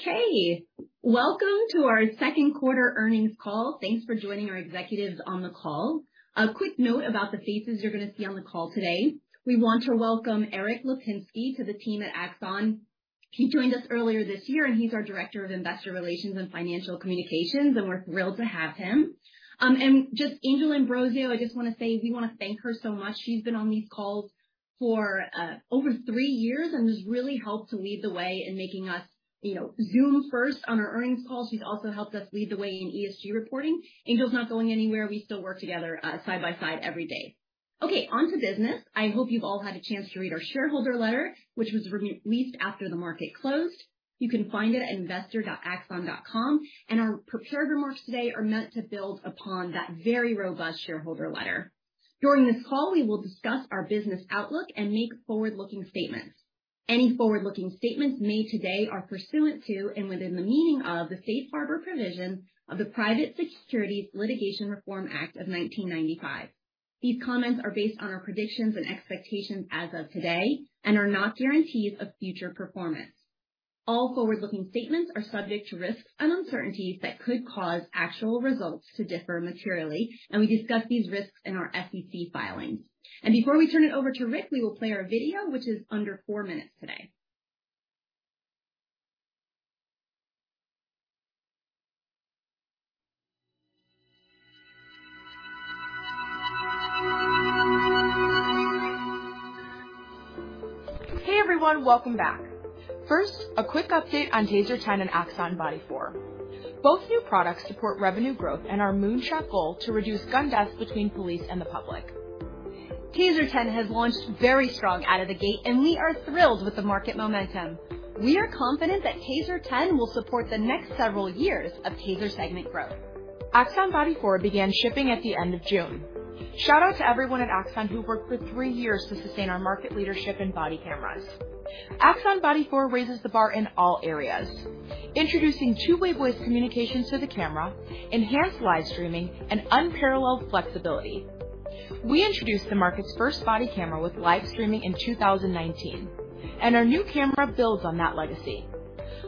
Okay. Welcome to our second quarter earnings call. Thanks for joining our executives on the call. A quick note about the faces you're going to see on the call today. We want to welcome Erik Lapinski to the team at Axon. He joined us earlier this year, and he's our Director of Investor Relations and Financial Communications, and we're thrilled to have him. Just Angel Ambrosio, I just want to say we want to thank her so much. She's been on these calls for over three years and has really helped to lead the way in making us, you know, Zoom-first on our earnings call. She's also helped us lead the way in ESG reporting. Angel's not going anywhere. We still work together, side by side every day. Okay, on to business. I hope you've all had a chance to read our shareholder letter, which was re-released after the market closed. You can find it at investor.axon.com, and our prepared remarks today are meant to build upon that very robust shareholder letter. During this call, we will discuss our business outlook and make forward-looking statements. Any forward-looking statements made today are pursuant to, and within the meaning of, the Safe Harbor provision of the Private Securities Litigation Reform Act of 1995. These comments are based on our predictions and expectations as of today and are not guarantees of future performance. All forward-looking statements are subject to risks and uncertainties that could cause actual results to differ materially, and we discuss these risks in our SEC filings. Before we turn it over to Rick, we will play our video, which is under four minutes today. Hey, everyone. Welcome back. First, a quick update on TASER 10 and Axon Body 4. Both new products support revenue growth and our moonshot goal to reduce gun deaths between police and the public. TASER 10 has launched very strong out of the gate, and we are thrilled with the market momentum. We are confident that TASER 10 will support the next several years of TASER segment growth. Axon Body 4 began shipping at the end of June. Shout out to everyone at Axon who worked for 3 years to sustain our market leadership in body cameras. Axon Body 4 raises the bar in all areas, introducing two-way voice communications to the camera, enhanced live streaming, and unparalleled flexibility. We introduced the market's first body camera with live streaming in 2019, and our new camera builds on that legacy.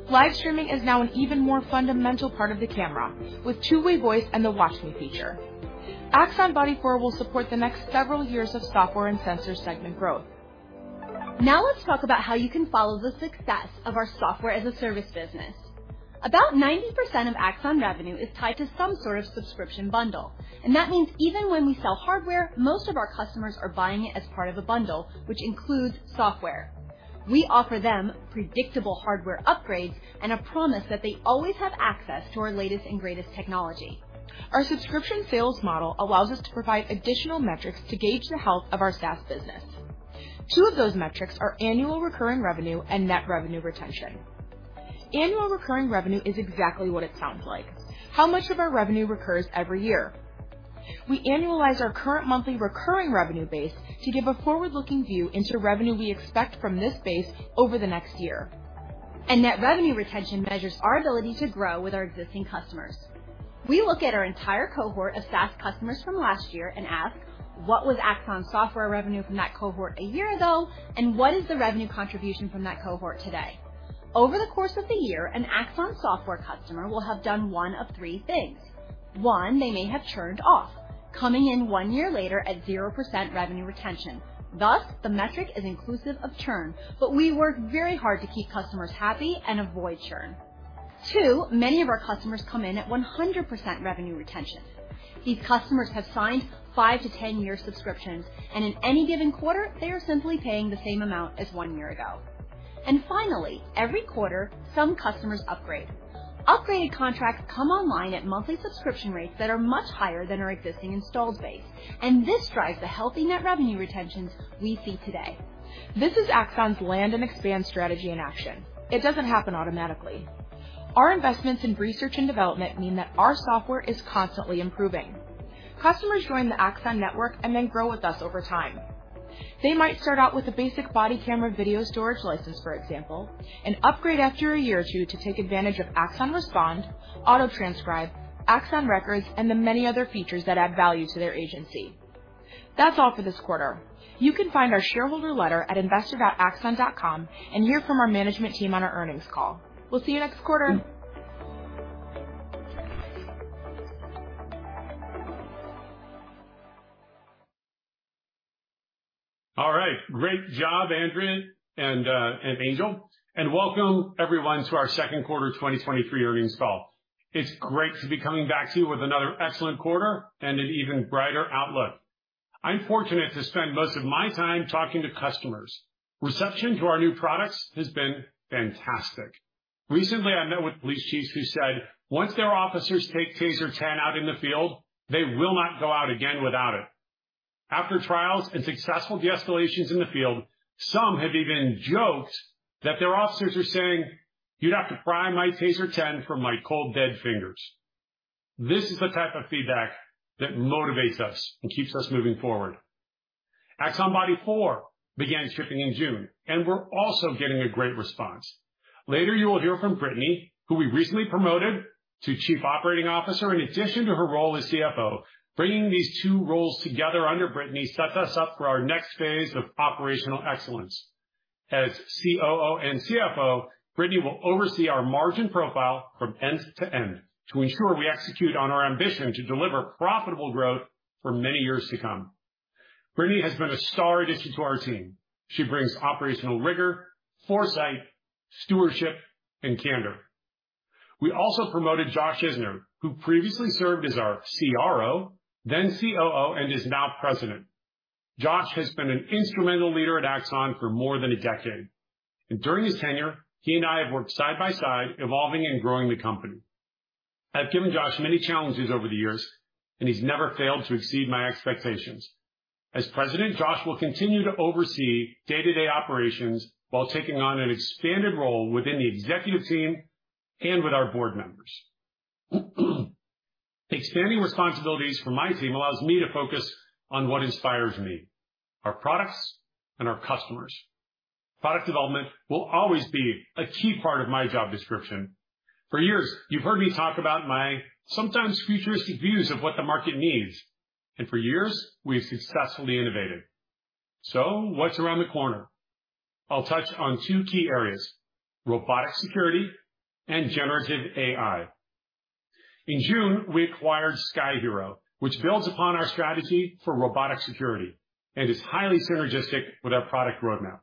Live streaming is now an even more fundamental part of the camera, with two-way voice and the Watch Me feature. Axon Body 4 will support the next several years of software and sensor segment growth. Let's talk about how you can follow the success of our Software as a Service business. About 90% of Axon revenue is tied to some sort of subscription bundle. That means even when we sell hardware, most of our customers are buying it as part of a bundle, which includes software. We offer them predictable hardware upgrades and a promise that they always have access to our latest and greatest technology. Our subscription sales model allows us to provide additional metrics to gauge the health of our SaaS business. Two of those metrics are Annual Recurring Revenue and Net Revenue Retention. Annual Recurring Revenue is exactly what it sounds like: how much of our revenue recurs every year. We annualize our current monthly recurring revenue base to give a forward-looking view into revenue we expect from this base over the next year. Net Revenue Retention measures our ability to grow with our existing customers. We look at our entire cohort of SaaS customers from last year and ask, "What was Axon software revenue from that cohort a year ago? What is the revenue contribution from that cohort today?" Over the course of the year, an Axon software customer will have done 1 of 3 things. 1, they may have churned off, coming in 1 year later at 0% revenue retention. Thus, the metric is inclusive of churn, but we work very hard to keep customers happy and avoid churn. Two, many of our customers come in at 100% revenue retention. These customers have signed 5-10-year subscriptions, and in any given quarter, they are simply paying the same amount as one year ago. Finally, every quarter, some customers upgrade. Upgraded contracts come online at monthly subscription rates that are much higher than our existing installed base, and this drives the healthy Net Revenue Retentions we see today. This is Axon's land-and-expand strategy in action. It doesn't happen automatically. Our investments in research and development mean that our software is constantly improving. Customers join the Axon network and then grow with us over time. They might start out with a basic body camera video storage license, for example, and upgrade after a year or two to take advantage of Axon Respond, Axon Auto-Transcribe, Axon Records, and the many other features that add value to their agency. That's all for this quarter. You can find our shareholder letter at investor.axon.com and hear from our management team on our earnings call. We'll see you next quarter. All right. Great job, Andrea and Angel, welcome everyone to our 2nd quarter 2023 earnings call. It's great to be coming back to you with another excellent quarter and an even brighter outlook. I'm fortunate to spend most of my time talking to customers. Reception to our new products has been fantastic. Recently, I met with police chiefs who said once their officers take TASER 10 out in the field, they will not go out again without it. After trials and successful de-escalations in the field, some have even joked that their officers are saying, "You'd have to pry my TASER 10 from my cold, dead fingers." This is the type of feedback that motivates us and keeps us moving forward. Axon Body 4 began shipping in June, we're also getting a great response. Later, you will hear from Brittany, who we recently promoted-... to Chief Operating Officer, in addition to her role as CFO. Bringing these two roles together under Brittany sets us up for our next phase of operational excellence. As COO and CFO, Brittany will oversee our margin profile from end to end to ensure we execute on our ambition to deliver profitable growth for many years to come. Brittany has been a star addition to our team. She brings operational rigor, foresight, stewardship, and candor. We also promoted Josh Isner, who previously served as our CRO, then COO, and is now President. Josh has been an instrumental leader at Axon for more than a decade, and during his tenure, he and I have worked side by side, evolving and growing the company. I've given Josh many challenges over the years, and he's never failed to exceed my expectations. As President, Josh will continue to oversee day-to-day operations while taking on an expanded role within the executive team and with our board members. Expanding responsibilities for my team allows me to focus on what inspires me, our products and our customers. Product development will always be a key part of my job description. For years, you've heard me talk about my sometimes futuristic views of what the market needs, for years, we have successfully innovated. What's around the corner? I'll touch on two key areas: robotic security and generative AI. In June, we acquired Sky-Hero, which builds upon our strategy for robotic security and is highly synergistic with our product roadmap.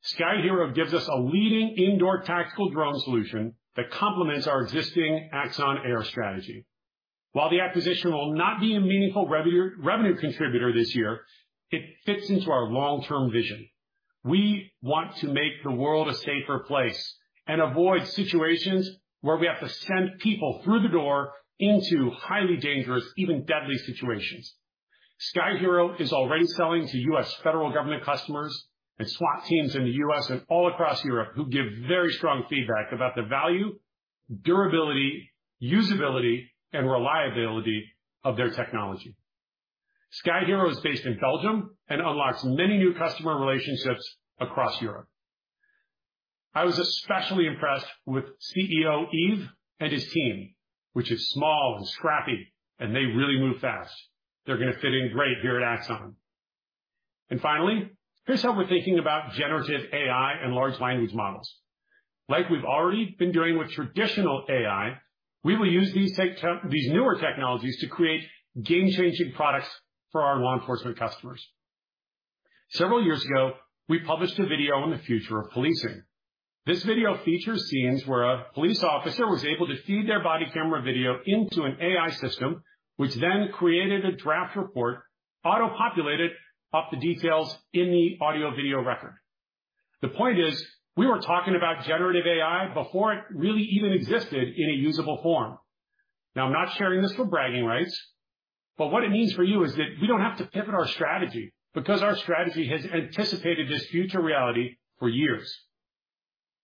Sky-Hero gives us a leading indoor tactical drone solution that complements our existing Axon Air strategy. While the acquisition will not be a meaningful revenue contributor this year, it fits into our long-term vision. We want to make the world a safer place and avoid situations where we have to send people through the door into highly dangerous, even deadly situations. Sky-Hero is already selling to U.S. federal government customers and SWAT teams in the U.S. and all across Europe, who give very strong feedback about the value, durability, usability, and reliability of their technology. Sky-Hero is based in Belgium and unlocks many new customer relationships across Europe. I was especially impressed with CEO Yves and his team, which is small and scrappy, and they really move fast. They're gonna fit in great here at Axon. Finally, here's how we're thinking about generative AI and large language models. Like we've already been doing with traditional AI, we will use these newer technologies to create game-changing products for our law enforcement customers. Several years ago, we published a video on the future of policing. This video features scenes where a police officer was able to feed their body camera video into an AI system, which then created a draft report, auto-populated off the details in the audio-video record. The point is, we were talking about generative AI before it really even existed in a usable form. I'm not sharing this for bragging rights, but what it means for you is that we don't have to pivot our strategy because our strategy has anticipated this future reality for years.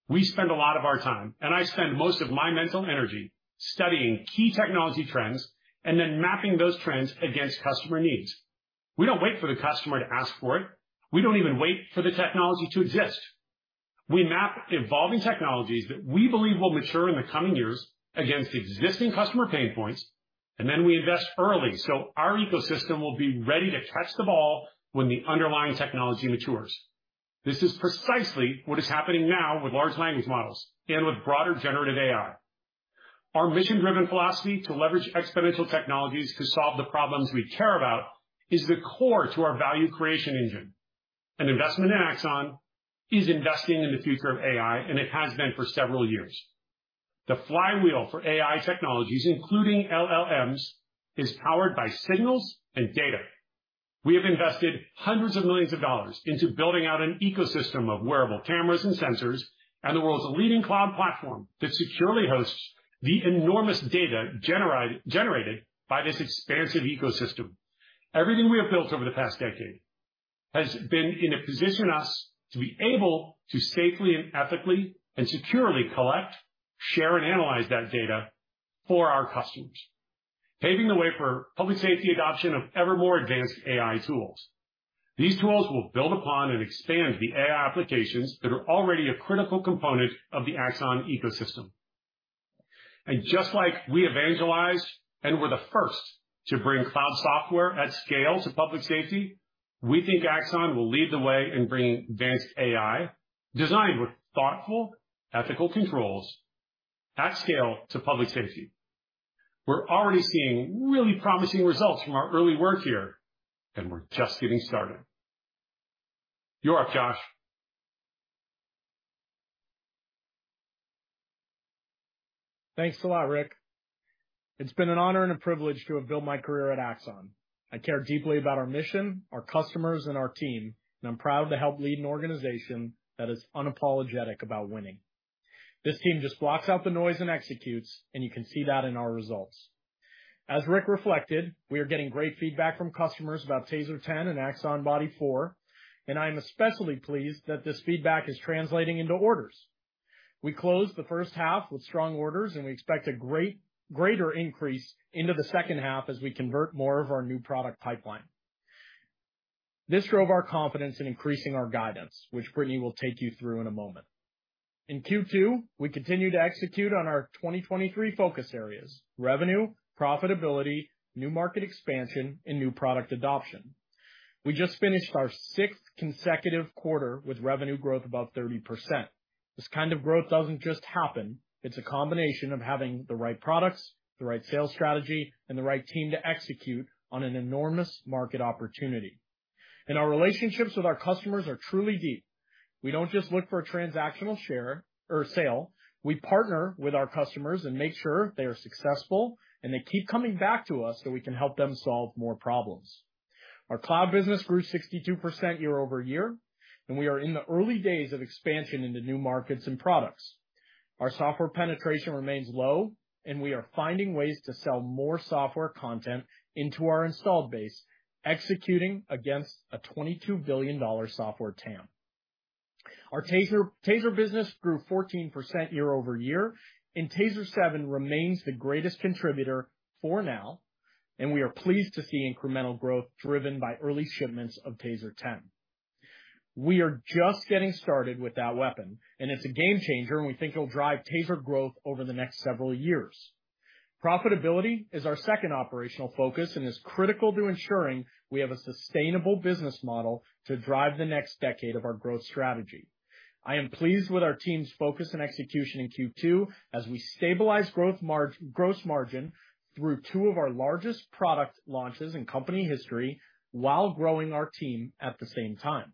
We spend a lot of our time, and I spend most of my mental energy studying key technology trends and then mapping those trends against customer needs. We don't wait for the customer to ask for it. We don't even wait for the technology to exist. We map evolving technologies that we believe will mature in the coming years against existing customer pain points, and then we invest early, so our ecosystem will be ready to catch the ball when the underlying technology matures. This is precisely what is happening now with Large Language Models and with broader generative AI. Our mission-driven philosophy to leverage exponential technologies to solve the problems we care about is the core to our value creation engine. An investment in Axon is investing in the future of AI, and it has been for several years. The flywheel for AI technologies, including LLMs, is powered by signals and data. We have invested hundreds of millions of dollars into building out an ecosystem of wearable cameras and sensors and the world's leading cloud platform that securely hosts the enormous data generated by this expansive ecosystem. Everything we have built over the past decade has been in a position us to be able to safely and ethically and securely collect, share, and analyze that data for our customers, paving the way for public safety adoption of ever more advanced AI tools. These tools will build upon and expand the AI applications that are already a critical component of the Axon ecosystem. Just like we evangelized and were the first to bring cloud software at scale to public safety, we think Axon will lead the way in bringing advanced AI, designed with thoughtful ethical controls at scale to public safety. We're already seeing really promising results from our early work here, and we're just getting started. You're up, Josh. Thanks a lot, Rick. It's been an honor and a privilege to have built my career at Axon. I care deeply about our mission, our customers, and our team. I'm proud to help lead an organization that is unapologetic about winning. This team just blocks out the noise and executes. You can see that in our results. As Rick reflected, we are getting great feedback from customers about TASER 10 and Axon Body 4. I am especially pleased that this feedback is translating into orders. We closed the first half with strong orders. We expect a greater increase into the second half as we convert more of our new product pipeline. This drove our confidence in increasing our guidance, which Brittany will take you through in a moment. In Q2, we continued to execute on our 2023 focus areas: revenue, profitability, new market expansion, and new product adoption. We just finished our sixth consecutive quarter with revenue growth above 30%. This kind of growth doesn't just happen. It's a combination of having the right products, the right sales strategy, and the right team to execute on an enormous market opportunity. Our relationships with our customers are truly deep. We don't just look for a transactional share or sale, we partner with our customers and make sure they are successful, and they keep coming back to us, so we can help them solve more problems. Our cloud business grew 62% year-over-year, we are in the early days of expansion into new markets and products. Our software penetration remains low, and we are finding ways to sell more software content into our installed base, executing against a $22 billion software TAM. Our TASER business grew 14% year-over-year, and TASER 7 remains the greatest contributor for now, and we are pleased to see incremental growth driven by early shipments of TASER 10. We are just getting started with that weapon, and it's a game changer, and we think it'll drive TASER growth over the next several years. Profitability is our second operational focus and is critical to ensuring we have a sustainable business model to drive the next decade of our growth strategy. I am pleased with our team's focus and execution in Q2 as we stabilize gross margin through two of our largest product launches in company history while growing our team at the same time.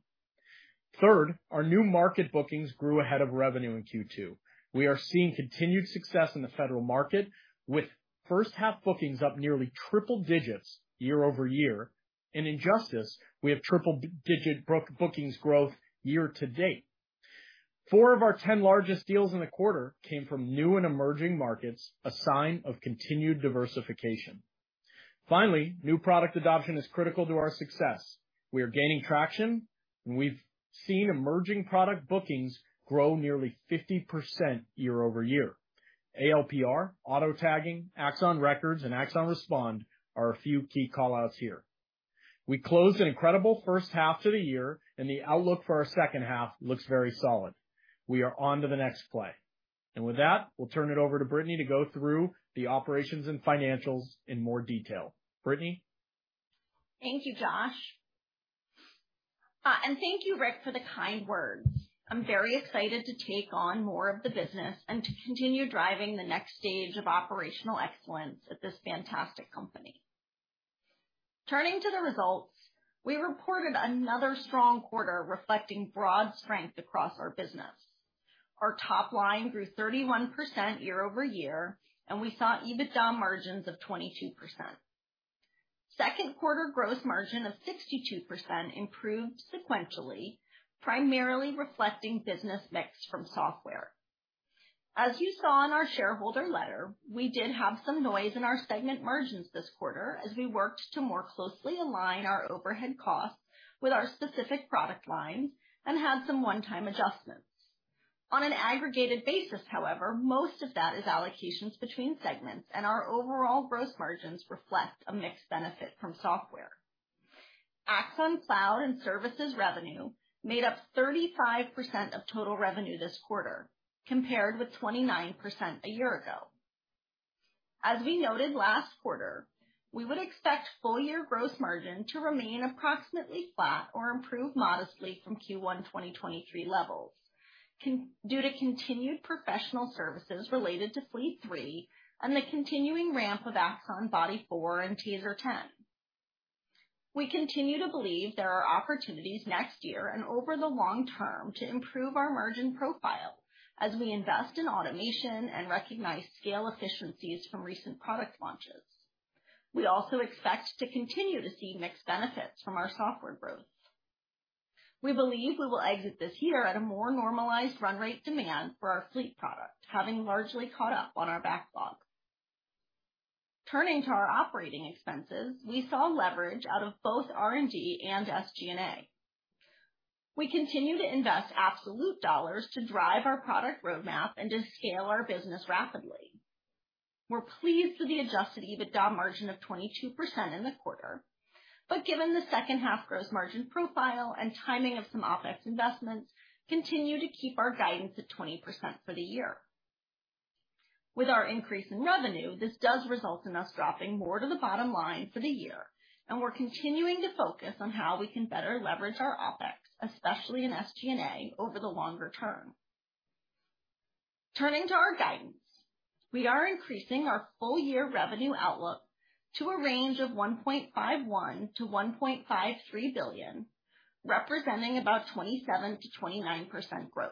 Third, our new market bookings grew ahead of revenue in Q2. We are seeing continued success in the federal market, with first half bookings up nearly triple digits year-over-year. In justice, we have triple digit bookings growth year to date. Four of our 10 largest deals in the quarter came from new and emerging markets, a sign of continued diversification. Finally, new product adoption is critical to our success. We are gaining traction, and we've seen emerging product bookings grow nearly 50% year-over-year. ALPR, Auto Tagging, Axon Records, and Axon Respond are a few key callouts here. We closed an incredible first half to the year, and the outlook for our second half looks very solid. We are on to the next play. With that, we'll turn it over to Brittany to go through the operations and financials in more detail. Brittany? Thank you, Josh. Thank you, Rick, for the kind words. I'm very excited to take on more of the business and to continue driving the next stage of operational excellence at this fantastic company. Turning to the results, we reported another strong quarter, reflecting broad strength across our business. Our top line grew 31% year-over-year, and we saw EBITDA margins of 22%. Second quarter gross margin of 62% improved sequentially, primarily reflecting business mix from software. As you saw in our shareholder letter, we did have some noise in our segment margins this quarter as we worked to more closely align our overhead costs with our specific product lines and had some one-time adjustments. On an aggregated basis, however, most of that is allocations between segments, and our overall gross margins reflect a mixed benefit from software. Axon Cloud and services revenue made up 35% of total revenue this quarter, compared with 29% a year ago. As we noted last quarter, we would expect full year gross margin to remain approximately flat or improve modestly from Q1 2023 levels, due to continued professional services related to Fleet 3 and the continuing ramp of Axon Body 4 and TASER 10. We continue to believe there are opportunities next year and over the long term to improve our margin profile as we invest in automation and recognize scale efficiencies from recent product launches. We also expect to continue to see mixed benefits from our software growth. We believe we will exit this year at a more normalized run rate demand for our fleet product, having largely caught up on our backlog. Turning to our operating expenses, we saw leverage out of both R&D and SG&A. We continue to invest absolute dollars to drive our product roadmap and to scale our business rapidly. We're pleased with the adjusted EBITDA margin of 22% in the quarter, given the second half gross margin profile and timing of some OpEx investments, continue to keep our guidance at 20% for the year. With our increase in revenue, this does result in us dropping more to the bottom line for the year, we're continuing to focus on how we can better leverage our OpEx, especially in SG&A, over the longer term. Turning to our guidance, we are increasing our full year revenue outlook to a range of $1.51 billion-$1.53 billion, representing about 27%-29% growth.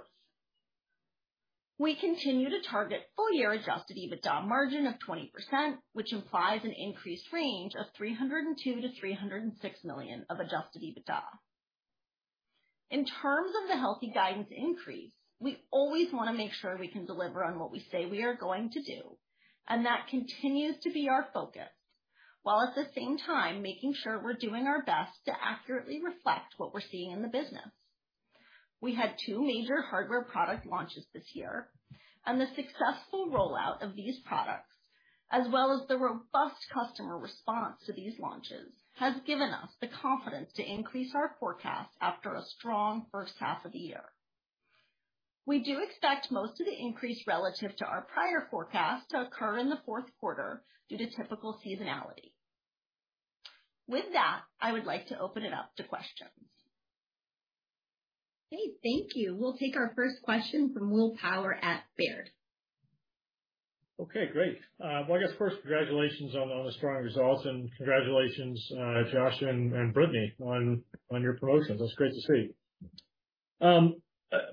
We continue to target full year adjusted EBITDA margin of 20%, which implies an increased range of $302 million-$306 million of adjusted EBITDA. In terms of the healthy guidance increase, we always want to make sure we can deliver on what we say we are going to do, that continues to be our focus, while at the same time making sure we're doing our best to accurately reflect what we're seeing in the business. We had two major hardware product launches this year, the successful rollout of these products, as well as the robust customer response to these launches, has given us the confidence to increase our forecast after a strong first half of the year. We do expect most of the increase relative to our prior forecast to occur in the fourth quarter due to typical seasonality. With that, I would like to open it up to questions. Okay, thank you. We'll take our first question from William Power at Baird. Okay, great. Well, I guess, first, congratulations on, on the strong results, congratulations, Josh and Brittany, on, on your promotions. That's great to see.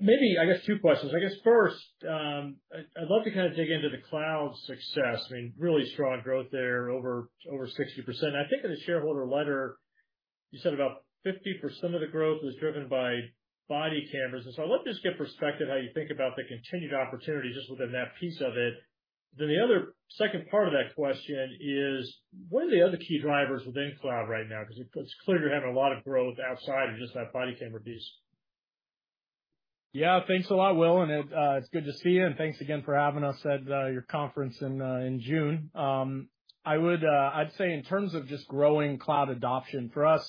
Maybe I guess 2 questions. I guess, first, I'd love to kind of dig into the cloud success. I mean, really strong growth there, over, over 60%. I think in the shareholder letter, you said about 50% of the growth was driven by body cameras. I'd love to just get perspective how you think about the continued opportunity just within that piece of it. The other 2nd part of that question is: What are the other key drivers within cloud right now? It's clear you're having a lot of growth outside of just that body camera piece. Yeah, thanks a lot, Will, and it, it's good to see you, and thanks again for having us at, your conference in, in June. I would, I'd say in terms of just growing cloud adoption, for us,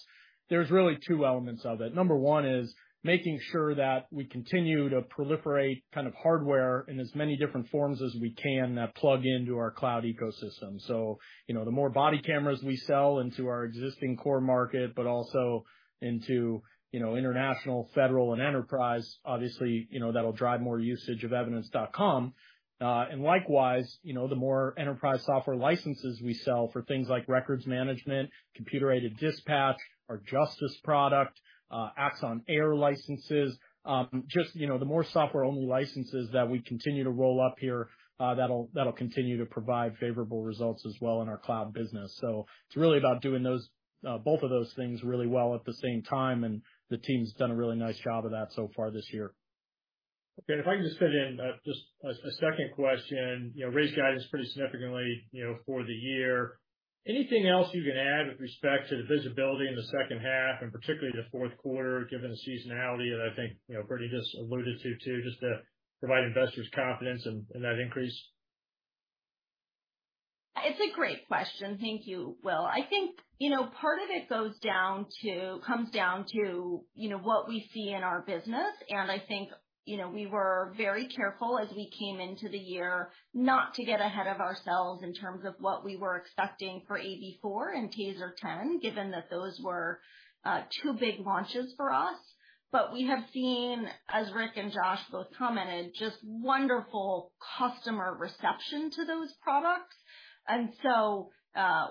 there's really 2 elements of it. Number 1 is making sure that we continue to proliferate kind of hardware in as many different forms as we can, that plug into our cloud ecosystem. You know, the more body cameras we sell into our existing core market, but also into, you know, international, federal, and enterprise, obviously, you know, that'll drive more usage of Evidence.com. Likewise, you know, the more enterprise software licenses we sell for things like records management, computer-aided dispatch, our Justice product, Axon Air licenses, just, you know, the more software-only licenses that we continue to roll up here, that'll, that'll continue to provide favorable results as well in our cloud business. It's really about doing those, both of those things really well at the same time, and the team's done a really nice job of that so far this year. Okay, if I can just fit in, just a second question. You know, raised guidance pretty significantly, you know, for the year. Anything else you can add with respect to the visibility in the second half and particularly the fourth quarter, given the seasonality that I think, you know, Brittany just alluded to, too, just to provide investors confidence in, in that increase? It's a great question. Thank you, Will. I think, you know, part of it goes down to -- comes down to, you know, what we see in our business. I think, you know, we were very careful as we came into the year, not to get ahead of ourselves in terms of what we were expecting for AB4 and TASER 10, given that those were, two big launches for us. But we have seen, as Rick and Josh both commented, just wonderful customer reception to those products.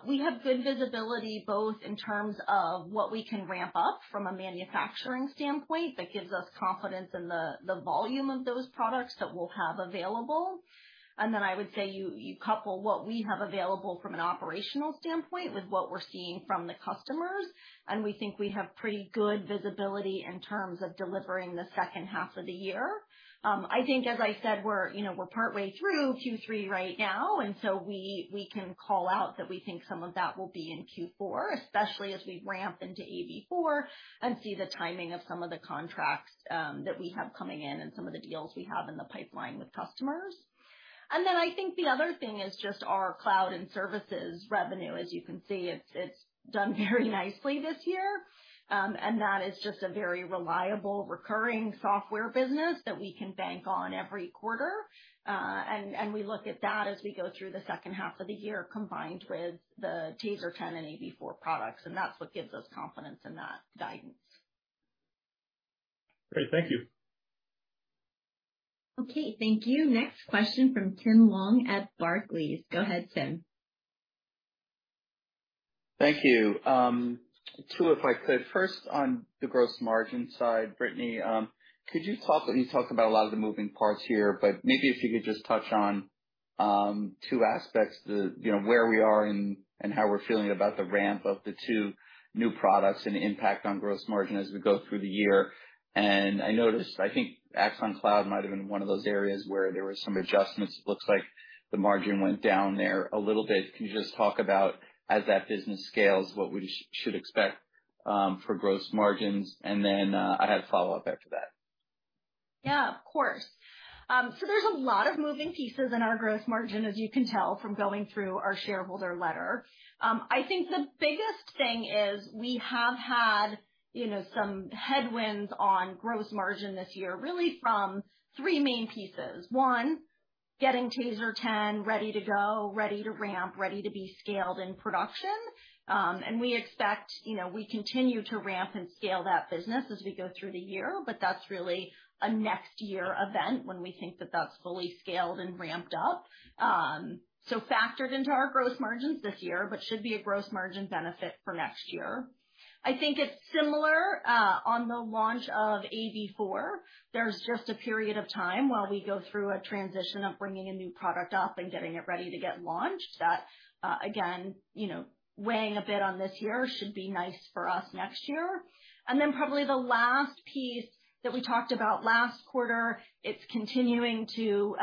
We have good visibility, both in terms of what we can ramp up from a manufacturing standpoint, that gives us confidence in the, the volume of those products that we'll have available. I would say, you, you couple what we have available from an operational standpoint with what we're seeing from the customers, and we think we have pretty good visibility in terms of delivering the second half of the year. I think, as I said, we're, you know, we're partway through Q3 right now, we, we can call out that we think some of that will be in Q4, especially as we ramp into AB4 and see the timing of some of the contracts that we have coming in and some of the deals we have in the pipeline with customers. I think the other thing is just our cloud and services revenue. As you can see, it's, it's done very nicely this year. That is just a very reliable, recurring software business that we can bank on every quarter. We look at that as we go through the second half of the year, combined with the TASER 10 and AB4 products, and that's what gives us confidence in that guidance. Great. Thank you. Okay, thank you. Next question from Tim Long at Barclays. Go ahead, Ken. Thank you. 2, if I could. First, on the gross margin side, Brittany, you talked about a lot of the moving parts here, but maybe if you could just touch on 2 aspects, the, you know, where we are and, and how we're feeling about the ramp of the 2 new products and the impact on gross margin as we go through the year. I noticed, I think Axon Cloud might have been one of those areas where there were some adjustments. It looks like the margin went down there a little bit. Can you just talk about, as that business scales, what we should expect for gross margins? I had a follow-up after that. Yeah, of course. There's a lot of moving pieces in our gross margin, as you can tell from going through our shareholder letter. I think the biggest thing is we have had, you know, some headwinds on gross margin this year, really from three main pieces. One, getting TASER 10 ready to go, ready to ramp, ready to be scaled in production. We expect, you know, we continue to ramp and scale that business as we go through the year, but that's really a next year event when we think that that's fully scaled and ramped up. Factored into our gross margins this year, but should be a gross margin benefit for next year. I think it's similar on the launch of AB4. There's just a period of time while we go through a transition of bringing a new product up and getting it ready to get launched, that, again, you know, weighing a bit on this year, should be nice for us next year. Then probably the last piece that we talked about last quarter, it's continuing to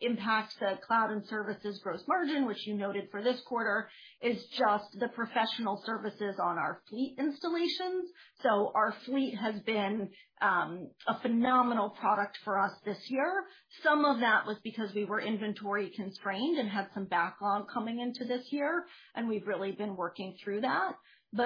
impact the cloud and services gross margin, which you noted for this quarter, is just the professional services on our Fleet installations. Our Fleet has been a phenomenal product for us this year. Some of that was because we were inventory constrained and had some backlog coming into this year, and we've really been working through that.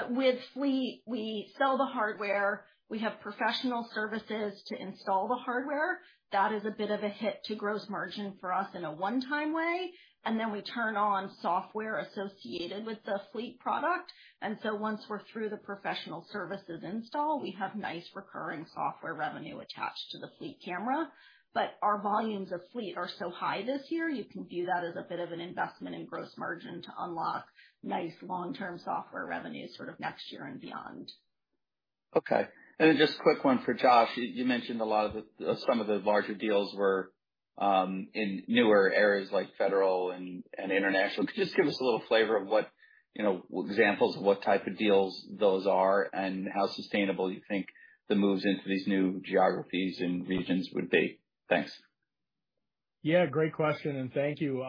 With Fleet, we sell the hardware, we have professional services to install the hardware. That is a bit of a hit to gross margin for us in a one-time way, and then we turn on software associated with the Fleet product. So once we're through the professional services install, we have nice recurring software revenue attached to the Fleet camera. Our volumes of Fleet are so high this year, you can view that as a bit of an investment in gross margin to unlock nice long-term software revenue sort of next year and beyond. Okay. Just a quick one for Josh. You, you mentioned a lot of the, some of the larger deals were in newer areas like federal and, and international. Could you just give us a little flavor of what, you know, examples of what type of deals those are, and how sustainable you think the moves into these new geographies and regions would be? Thanks. Yeah, great question, thank you.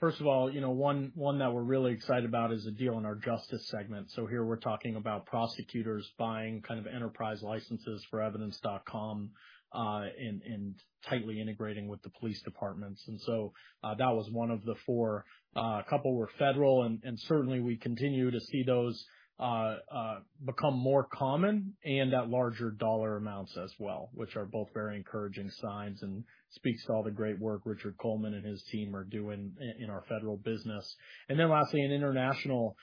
First of all, you know, one that we're really excited about is a deal in our justice segment. Here, we're talking about prosecutors buying kind of enterprise licenses for Evidence.com, and tightly integrating with the police departments. That was one of the four. A couple were federal, and certainly we continue to see those become more common, at larger dollar amounts as well, which are both very encouraging signs, speaks to all the great work Richard Coleman and his team are doing in our federal business. Lastly, in international,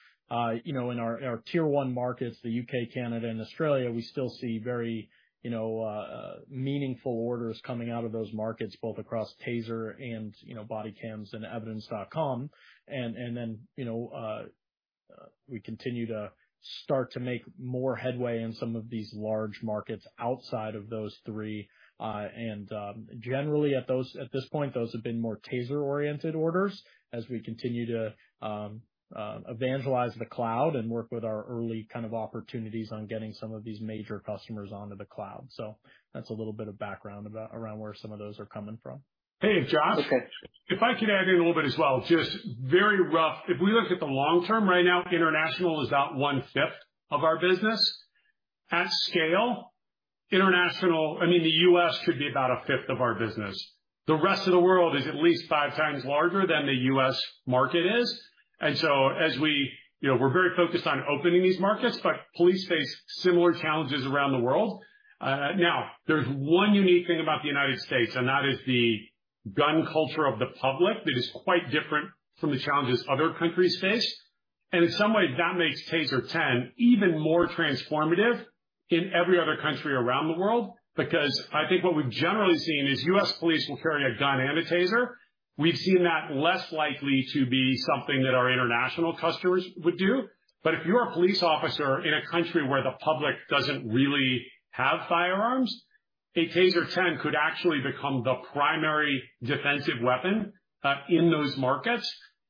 you know, in our tier one markets, the U.K., Canada, and Australia, we still see very, you know, meaningful orders coming out of those markets, both across TASER and, you know, bodycams and Evidence.com. You know, we continue to start to make more headway in some of these large markets outside of those three. Generally, at those- at this point, those have been more TASER-oriented orders as we continue to evangelize the cloud and work with our early kind of opportunities on getting some of these major customers onto the cloud. That's a little bit of background about, around where some of those are coming from. Hey, Josh. Okay. If I could add in a little bit as well, just very rough, if we look at the long term right now, international is about 1/5 of our business. At scale, I mean, the U.S. could be about 1/5 of our business. The rest of the world is at least five times larger than the U.S. market is. So as we, you know, we're very focused on opening these markets, but police face similar challenges around the world. Now, there's one unique thing about the United States, and that is the gun culture of the public that is quite different from the challenges other countries face. In some ways, that makes TASER 10 even more transformative in every other country around the world, because I think what we've generally seen is U.S. police will carry a gun and a TASER. We've seen that less likely to be something that our international customers would do. If you're a police officer in a country where the public doesn't really have firearms, a TASER 10 could actually become the primary defensive weapon in those markets.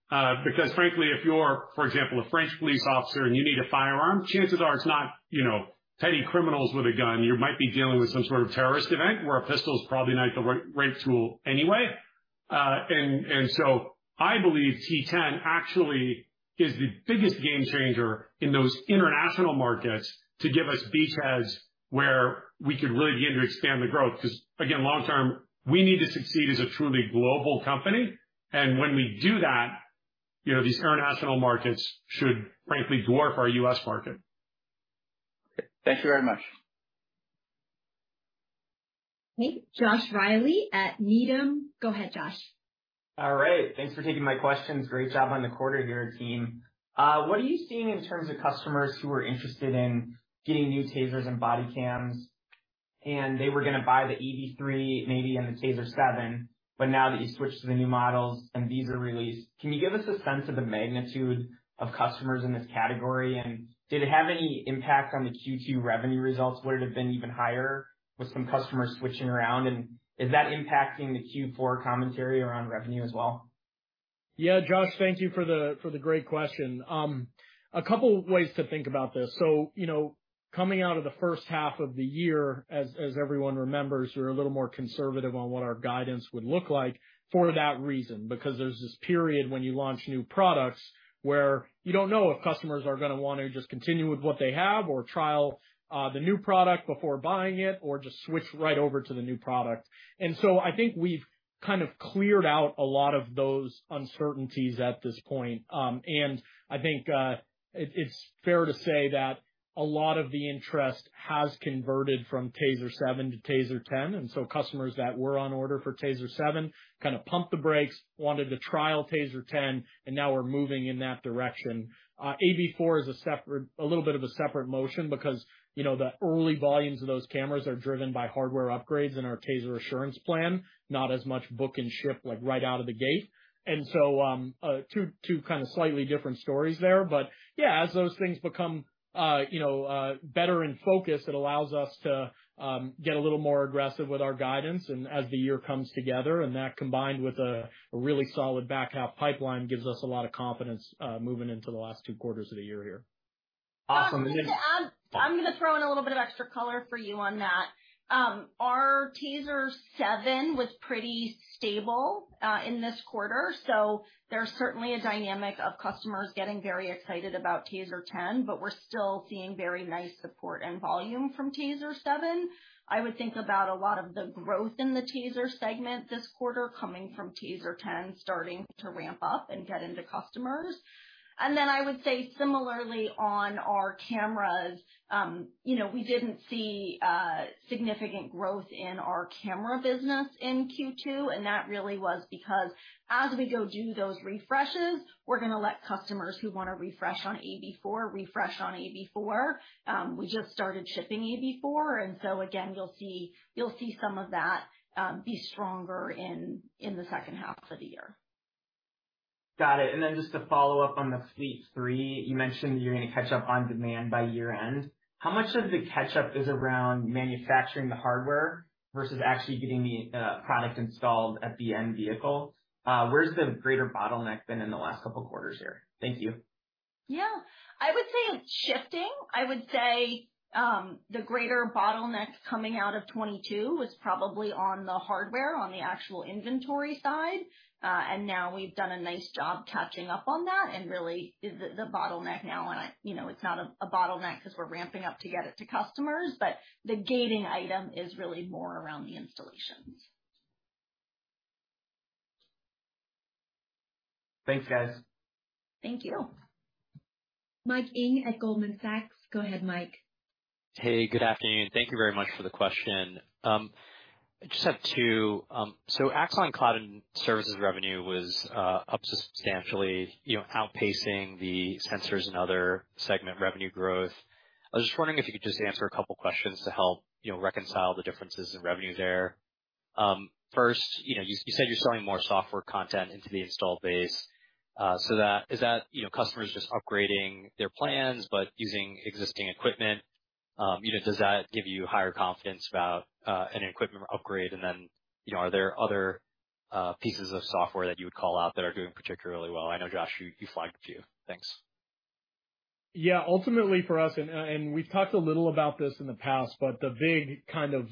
Because frankly, if you're, for example, a French police officer and you need a firearm, chances are it's not, you know, petty criminals with a gun. You might be dealing with some sort of terrorist event, where a pistol is probably not the right tool anyway. I believe T10 actually is the biggest game changer in those international markets to give us beachheads where we could really begin to expand the growth. Again, long term, we need to succeed as a truly global company, and when we do that, you know, these international markets should frankly dwarf our U.S. market. Thank you very much. Great. Joshua Reilly at Needham. Go ahead, Josh. All right. Thanks for taking my questions. Great job on the quarter here, team. What are you seeing in terms of customers who are interested in getting new TASERs and bodycams, and they were gonna buy the AB3 maybe, and the TASER 7, but now that you've switched to the new models and these are released, can you give us a sense of the magnitude of customers in this category, and did it have any impact on the Q2 revenue results? Would it have been even higher with some customers switching around? Is that impacting the Q4 commentary around revenue as well? Yeah, Josh, thank you for the, for the great question. A couple ways to think about this. You know, coming out of the first half of the year, as, as everyone remembers, we were a little more conservative on what our guidance would look like for that reason, because there's this period when you launch new products, where you don't know if customers are gonna want to just continue with what they have or trial, the new product before buying it, or just switch right over to the new product. So I think we've kind of cleared out a lot of those uncertainties at this point. I think it's fair to say that a lot of the interest has converted from TASER 7 to TASER 10, and so customers that were on order for TASER 7 kind of pumped the brakes, wanted to trial TASER 10, and now we're moving in that direction. AB4 is a separate, a little bit of a separate motion because, you know, the early volumes of those cameras are driven by hardware upgrades in our Technology Assurance Plan, not as much book and ship, like, right out of the gate. Two, two kind of slightly different stories there. Yeah, as those things become, you know, better in focus, it allows us to get a little more aggressive with our guidance and as the year comes together, and that, combined with a really solid back half pipeline, gives us a lot of confidence, moving into the last two quarters of the year here. Awesome. I'm, I'm gonna throw in a little bit of extra color for you on that. Our TASER 7 was pretty stable in this quarter, so there's certainly a dynamic of customers getting very excited about TASER 10, but we're still seeing very nice support and volume from TASER 7. I would think about a lot of the growth in the TASER segment this quarter coming from TASER 10, starting to ramp up and get into customers. Then I would say similarly on our cameras, you know, we didn't see significant growth in our camera business in Q2, and that really was because as we go do those refreshes, we're going to let customers who want to refresh on AV4, refresh on AV4. We just started shipping Axon Body 4, so again, you'll see, you'll see some of that be stronger in the second half of the year. Got it. Then just to follow up on the Fleet 3, you mentioned you're going to catch up on demand by year end. How much of the catch up is around manufacturing the hardware versus actually getting the product installed at the end vehicle? Where's the greater bottleneck been in the last couple of quarters here? Thank you. Yeah. I would say it's shifting. I would say, the greater bottleneck coming out of 22 was probably on the hardware, on the actual inventory side. Now we've done a nice job catching up on that and really is the, the bottleneck now on a, you know, it's not a, a bottleneck because we're ramping up to get it to customers, but the gating item is really more around the installations. Thanks, guys. Thank you. Mike Ng at Goldman Sachs. Go ahead, Mike. Hey, good afternoon. Thank you very much for the question. I just have 2. Axon Cloud and services revenue was up substantially, you know, outpacing the sensors and other segment revenue growth. I was just wondering if you could just answer a couple of questions to help, you know, reconcile the differences in revenue there. First, you know, you said you're selling more software content into the installed base. Is that, you know, customers just upgrading their plans, but using existing equipment? You know, does that give you higher confidence about an equipment upgrade? Then, you know, are there other pieces of software that you would call out that are doing particularly well? I know, Josh, you, you flagged a few. Thanks. Yeah, ultimately for us, and, and we've talked a little about this in the past, but the big kind of,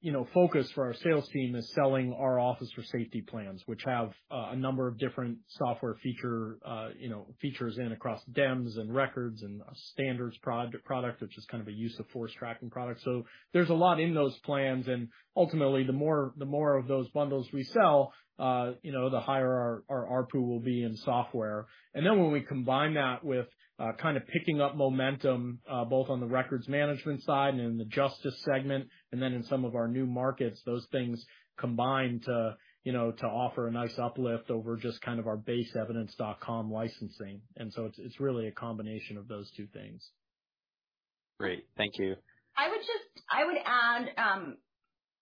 you know, focus for our sales team is selling our Officer Safety Plan, which have a number of different software feature, you know, features in across DEMS and Records and Standards product, which is kind of a use of force tracking product. There's a lot in those plans, and ultimately, the more, the more of those bundles we sell, you know, the higher our ARPU will be in software. Then when we combine that with kind of picking up momentum both on the records management side and in the justice segment, and then in some of our new markets, those things combine to, you know, to offer a nice uplift over just kind of our base Evidence.com licensing. So it's really a combination of those 2 things. Great. Thank you. I would add,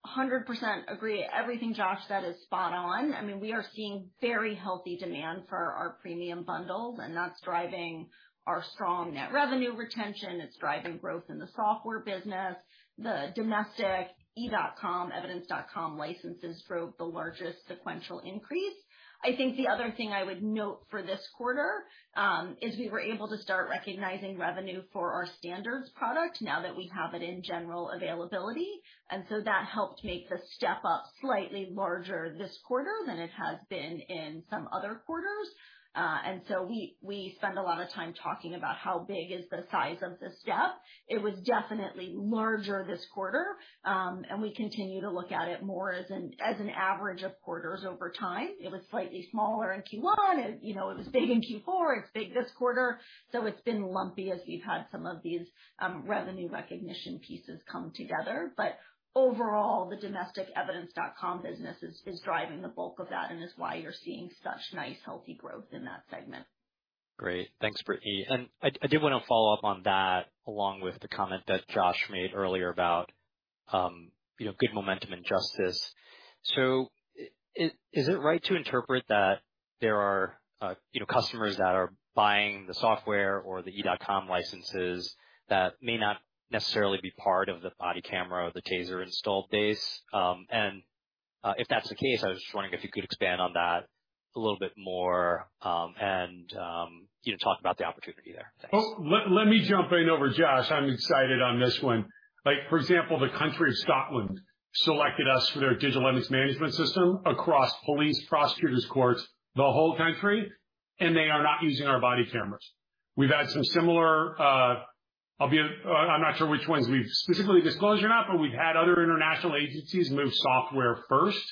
100% agree. Everything Josh said is spot on. I mean, we are seeing very healthy demand for our premium bundles, and that's driving our strong Net Revenue Retention. It's driving growth in the software business. The domestic e.com, Evidence.com licenses drove the largest sequential increase. I think the other thing I would note for this quarter is we were able to start recognizing revenue for our Axon Standards product now that we have it in general availability. That helped make the step up slightly larger this quarter than it has been in some other quarters. We, we spend a lot of time talking about how big is the size of the step. It was definitely larger this quarter, we continue to look at it more as an, as an average of quarters over time. It was slightly smaller in Q1. You know, it was big in Q4. It's big this quarter. It's been lumpy as we've had some of these, revenue recognition pieces come together. Overall, the domestic Evidence.com business is, is driving the bulk of that and is why you're seeing such nice, healthy growth in that segment. Great. Thanks, Brittany. I, I did want to follow up on that, along with the comment that Josh made earlier about, you know, good momentum in Justice. Is it right to interpret that there are, you know, customers that are buying the software or the Evidence.com licenses that may not necessarily be part of the body camera or the TASER installed base? If that's the case, I was just wondering if you could expand on that a little bit more, and, you know, talk about the opportunity there. Thanks. Let me jump in over Josh. I'm excited on this one. Like, for example, the country of Scotland selected us for their Digital Evidence Management System across police, prosecutors, courts, the whole country, and they are not using our body cameras. We've had some similar, I'm not sure which ones we've specifically disclosed or not, but we've had other international agencies move software first,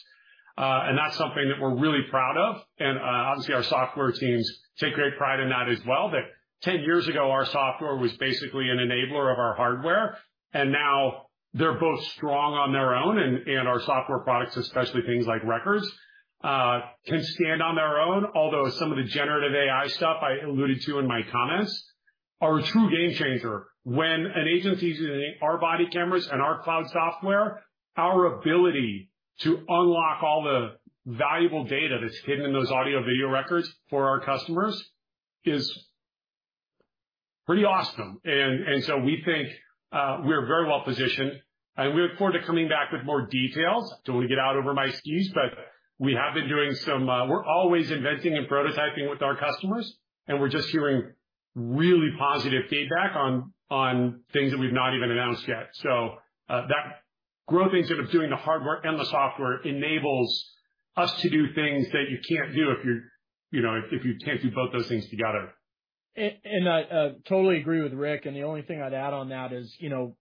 and that's something that we're really proud of. Obviously, our software teams take great pride in that as well. That 10 years ago, our software was basically an enabler of our hardware, and now they're both strong on their own. And our software products, especially things like Axon Records, can stand on their own. Although some of the generative AI stuff I alluded to in my comments are a true game changer. When an agency is using our body cameras and our cloud software, our ability to unlock all the valuable data that's hidden in those audio-video records for our customers is pretty awesome. We think we're very well positioned. I look forward to coming back with more details. Don't want to get out over my skis, but we have been doing some, we're always inventing and prototyping with our customers, and we're just hearing really positive feedback on, on things that we've not even announced yet. That growth in sort of doing the hardware and the software enables us to do things that you can't do if you're, you know, if, if you can't do both those things together. I, totally agree with Rick, and the only thing I'd add on that is, you know,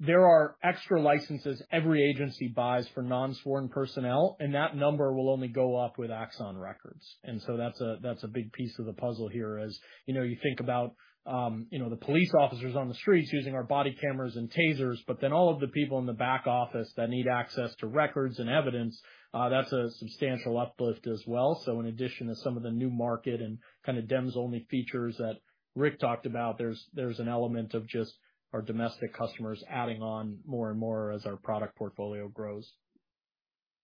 there are extra licenses every agency buys for non-sworn personnel, and that number will only go up with Axon Records. That's a, that's a big piece of the puzzle here, as, you know, you think about, you know, the police officers on the streets using our body cameras and tasers, but then all of the people in the back office that need access to records and evidence, that's a substantial uplift as well. In addition to some of the new market and kind of DEMS only features that Rick talked about, there's, there's an element of just our domestic customers adding on more and more as our product portfolio grows.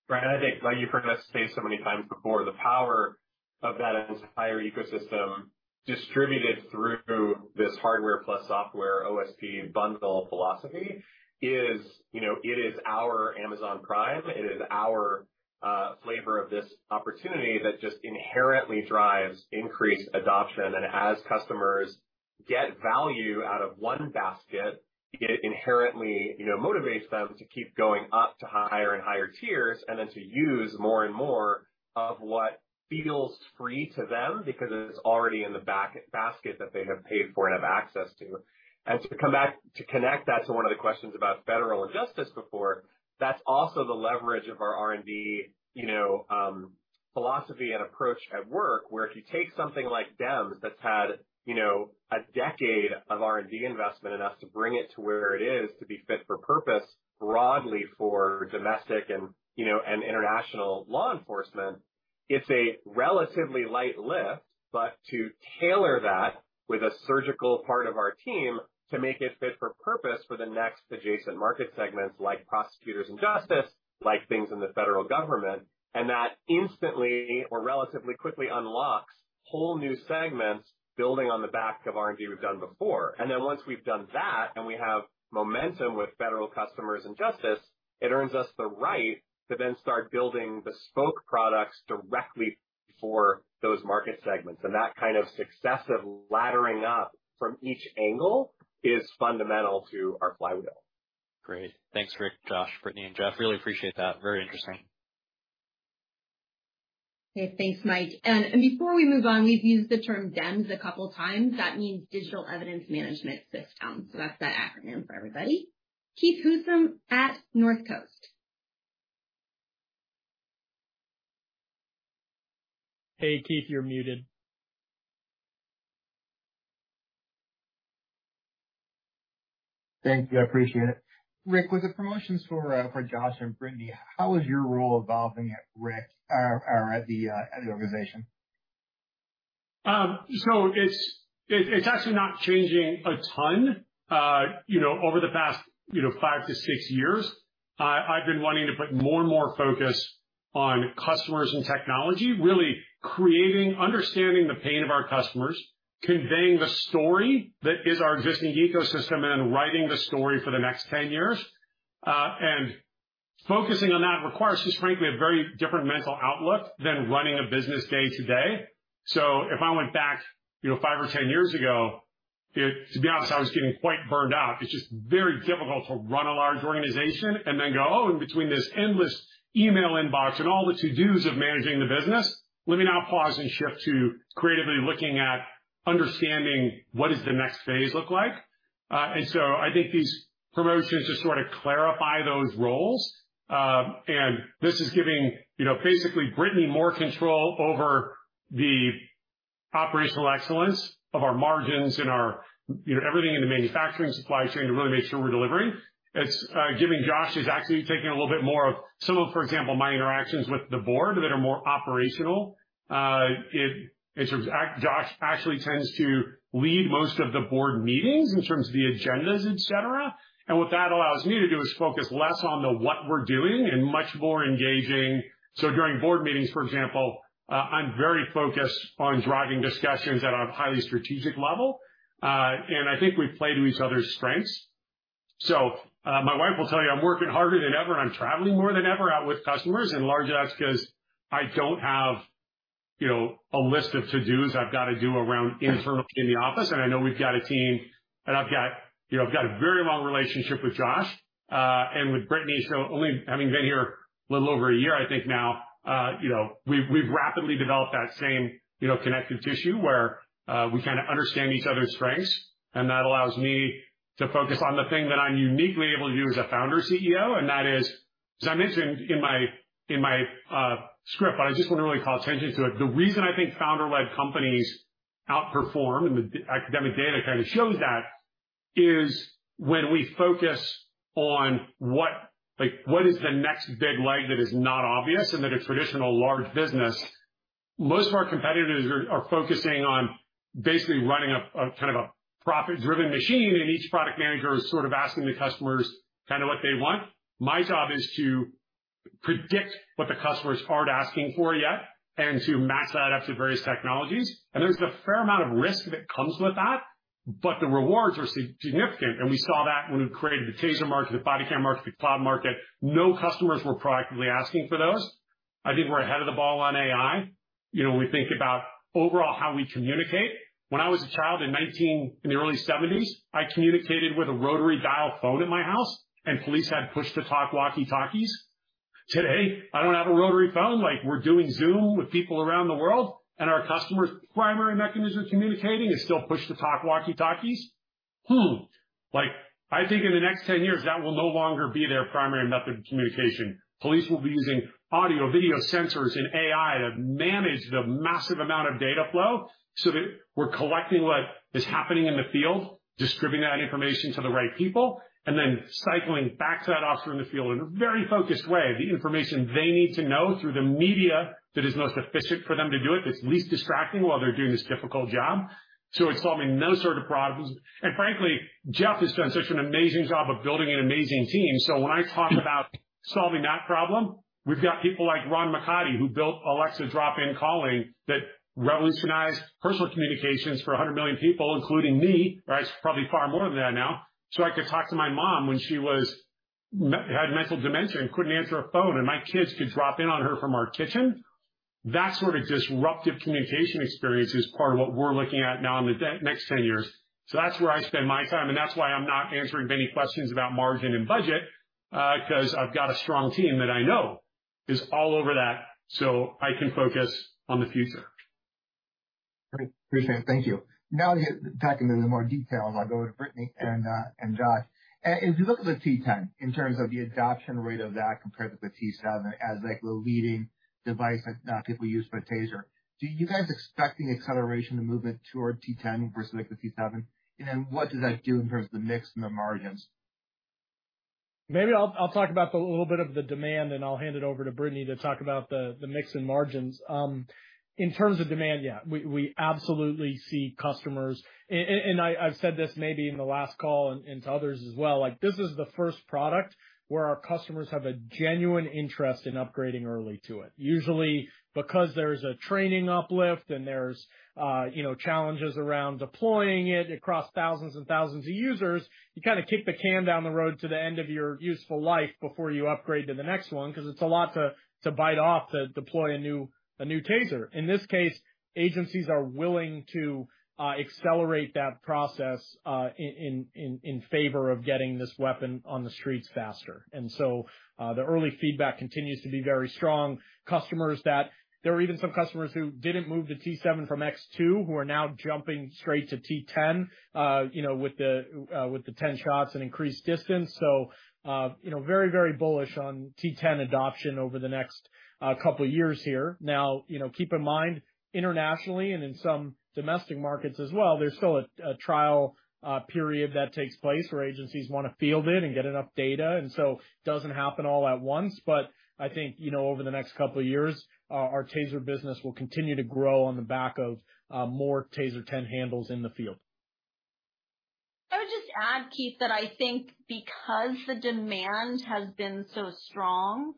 Right, and I think, right, you've heard us say so many times before, the power of that entire ecosystem distributed through this hardware plus software, OSP bundle philosophy is, you know, it is our Amazon Prime. It is our flavor of this opportunity that just inherently drives increased adoption. As customers get value out of one basket, it inherently, you know, motivates them to keep going up to higher and higher tiers, and then to use more and more of what feels free to them because it's already in the basket that they have paid for and have access to. To come back -- to connect that to one of the questions about federal and justice before, that's also the leverage of our R&D, you know, philosophy and approach at work, where if you take something like DEMS, that's had, you know, a decade of R&D investment in us to bring it to where it is to be fit for purpose, broadly for domestic and, you know, and international law enforcement, it's a relatively light lift. To tailor that with a surgical part of our team, to make it fit for purpose for the next adjacent market segments, like prosecutors and justice, like things in the federal government, and that instantly or relatively quickly unlocks whole new segments building on the back of R&D we've done before. Once we've done that, and we have momentum with federal customers and Justice, it earns us the right to then start building bespoke products directly for those market segments. That kind of successive laddering up from each angle is fundamental to our flywheel. Great. Thanks, Rick, Josh, Brittany, and Jeff. Really appreciate that. Very interesting. Okay, thanks, Mike. Before we move on, we've used the term DEMS a couple times. That means Digital Evidence Management System, so that's that acronym for everybody. Keith Housum at Northcoast Research. Hey, Keith, you're muted. Thank you. I appreciate it. Rick, with the promotions for, for Josh and Brittany, how is your role evolving at the organization? So it's, it's, it's actually not changing a ton. You know, over the past, you know, 5 to 6 years, I, I've been wanting to put more and more focus on customers and technology, really creating, understanding the pain of our customers, conveying the story that is our existing ecosystem, and then writing the story for the next 10 years. And focusing on that requires, just frankly, a very different mental outlook than running a business day to day. If I went back, you know, 5 or 10 years ago, To be honest, I was getting quite burned out. It's just very difficult to run a large organization and then go, "Oh, in between this endless email inbox and all the to-dos of managing the business, let me now pause and shift to creatively looking at understanding what does the next phase look like?" So I think these promotions just sort of clarify those roles. And this is giving, you know, basically Brittany more control over the operational excellence of our margins and our, you know, everything in the manufacturing supply chain to really make sure we're delivering. It's giving Josh is actually taking a little bit more of some of, for example, my interactions with the board that are more operational. It, in terms of Josh actually tends to lead most of the board meetings in terms of the agendas, et cetera. What that allows me to do is focus less on the what we're doing and much more engaging. During board meetings, for example, I'm very focused on driving discussions at a highly strategic level, and I think we play to each other's strengths. My wife will tell you, I'm working harder than ever, and I'm traveling more than ever out with customers, and large that's because I don't have, you know, a list of to-dos I've got to do around internally in the office, and I know we've got a team, and I've got, you know, I've got a very long relationship with Josh, and with Brittany. Only having been here a little over a year, I think now, you know, we've, we've rapidly developed that same, you know, connective tissue where, we kind of understand each other's strengths, and that allows me to focus on the thing that I'm uniquely able to do as a founder CEO, and that is, as I mentioned in my, in my, script, but I just want to really call attention to it. The reason I think founder-led companies outperform, and the academic data kind of shows that, is when we focus on what like, what is the next big leg that is not obvious and that a traditional large business... Most of our competitors are, are focusing on basically running a, a kind of a profit-driven machine, and each product manager is sort of asking the customers kind of what they want. My job is to predict what the customers aren't asking for yet, and to match that up to various technologies. There's a fair amount of risk that comes with that, but the rewards are significant, and we saw that when we created the TASER market, the bodycam market, the cloud market. No customers were proactively asking for those. I think we're ahead of the ball on AI. You know, when we think about overall how we communicate, when I was a child in the early 1970s, I communicated with a rotary dial phone at my house, and police had push-to-talk walkie-talkies. Today, I don't have a rotary phone. Like, we're doing Zoom with people around the world, and our customers' primary mechanism of communicating is still push-to-talk walkie-talkies. Hmm. Like, I think in the next 10 years, that will no longer be their primary method of communication. Police will be using audio, video sensors and AI to manage the massive amount of data flow, so that we're collecting what is happening in the field, distributing that information to the right people, and then cycling back to that officer in the field in a very focused way, the information they need to know through the media that is most efficient for them to do it, that's least distracting while they're doing this difficult job. It's solving those sort of problems. Frankly, Jeff has done such an amazing job of building an amazing team. When I talk about solving that problem, we've got people like Ron MchHattie, who built Alexa Drop In Calling, that revolutionized personal communications for 100 million people, including me, right? It's probably far more than that now. I could talk to my mom when she was me- had mental dementia and couldn't answer a phone, and my kids could drop in on her from our kitchen. That sort of disruptive communication experience is part of what we're looking at now in the next 10 years. That's where I spend my time, and that's why I'm not answering many questions about margin and budget, because I've got a strong team that I know is all over that, so I can focus on the future. Great. Appreciate it. Thank you. Now, get dive into the more details. I'll go to Brittany and Josh. If you look at the TASER 10, in terms of the adoption rate of that compared with the TASER 7 as, like, the leading device that people use for TASER, do you guys expect any acceleration and movement toward TASER 10 versus like the TASER 7? Then what does that do in terms of the mix and the margins? Maybe I'll, I'll talk about the little bit of the demand, and I'll hand it over to Brittany to talk about the, the mix and margins. In terms of demand, yeah, we, we absolutely see customers. And I, I've said this maybe in the last call and, and to others as well, like, this is the first product where our customers have a genuine interest in upgrading early to it. Usually, because there's a training uplift and there's, you know, challenges around deploying it across thousands and thousands of users, you kind of kick the can down the road to the end of your useful life before you upgrade to the next one, because it's a lot to, to bite off, to deploy a new, a new TASER. In this case, agencies are willing to accelerate that process in favor of getting this weapon on the streets faster. The early feedback continues to be very strong. Customers that. There are even some customers who didn't move to TASER 7 from TASER X2, who are now jumping straight to TASER 10, you know, with the 10 shots and increased distance. You know, very, very bullish on TASER 10 adoption over the next couple of years here. You know, keep in mind, internationally and in some domestic markets as well, there's still a trial period that takes place where agencies want to field it and get enough data, and so doesn't happen all at once. I think, you know, over the next couple of years, our TASER business will continue to grow on the back of more TASER 10 handles in the field. I would just add, Keith, that I think because the demand has been so strong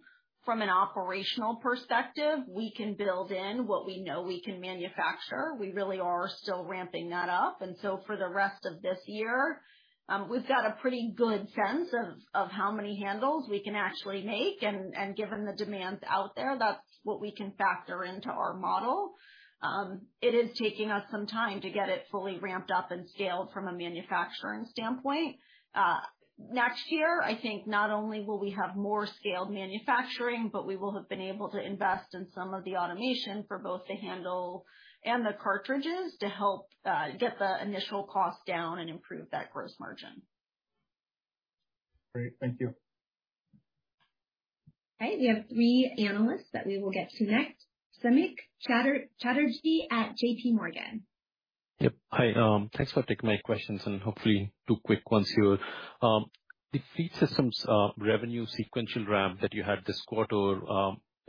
from an operational perspective, we can build in what we know we can manufacture. We really are still ramping that up. So for the rest of this year, we've got a pretty good sense of, of how many handles we can actually make, and, and given the demands out there, that's what we can factor into our model. It is taking us some time to get it fully ramped up and scaled from a manufacturing standpoint. Next year, I think not only will we have more scaled manufacturing, but we will have been able to invest in some of the automation for both the handle and the cartridges to help get the initial cost down and improve that gross margin. Great. Thank you. Okay, we have three analysts that we will get to next. Samik Chatterjee at JP Morgan. Yep. Hi, thanks for taking my questions, and hopefully two quick ones here. The Fleet Systems revenue sequential ramp that you had this quarter,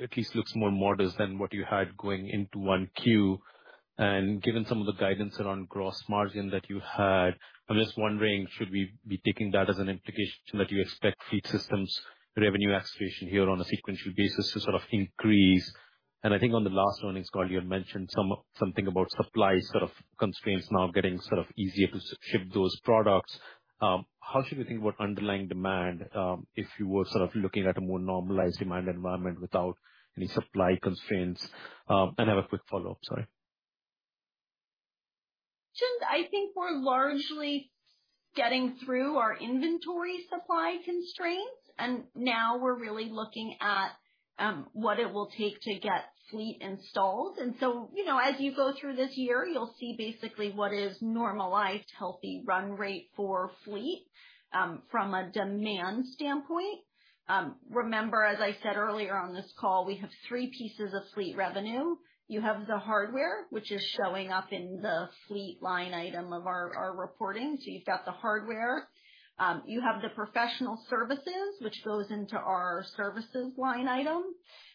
at least looks more modest than what you had going into 1Q. Given some of the guidance around gross margin that you had, I'm just wondering, should we be taking that as an implication that you expect Fleet Systems' revenue acceleration here on a sequential basis to sort of increase? I think on the last earnings call, you had mentioned some, something about supply sort of constraints now getting sort of easier to ship those products. How should we think about underlying demand, if you were sort of looking at a more normalized demand environment without any supply constraints? I have a quick follow-up. Sorry. Sure. I think we're largely getting through our inventory supply constraints, and now we're really looking at what it will take to get Fleet installed. So, you know, as you go through this year, you'll see basically what is normalized, healthy run rate for Fleet from a demand standpoint. Remember, as I said earlier on this call, we have three pieces of Fleet revenue. You have the hardware, which is showing up in the Fleet line item of our, our reporting. So you've got the hardware. You have the professional services, which goes into our services line item,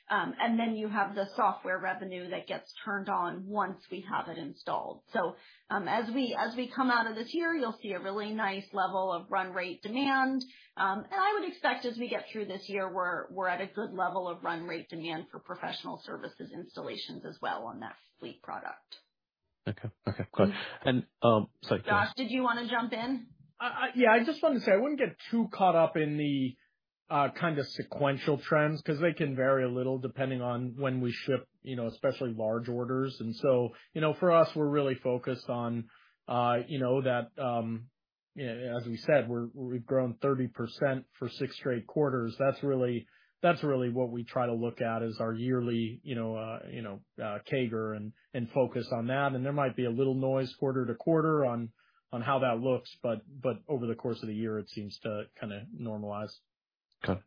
and then you have the software revenue that gets turned on once we have it installed. So, as we, as we come out of this year, you'll see a really nice level of run rate demand. I would expect as we get through this year, we're, we're at a good level of run rate demand for professional services installations as well on that fleet product. Okay. Okay, cool. Josh, did you want to jump in? Yeah, I just wanted to say I wouldn't get too caught up in the kind of sequential trends, because they can vary a little depending on when we ship, you know, especially large orders. So, you know, for us, we're really focused on, you know, that, yeah, as we said, we've grown 30% for 6 straight quarters. That's really, that's really what we try to look at as our yearly, you know, CAGR, and focus on that. There might be a little noise quarter-to-quarter on how that looks, but over the course of the year, it seems to kind of normalize. Okay.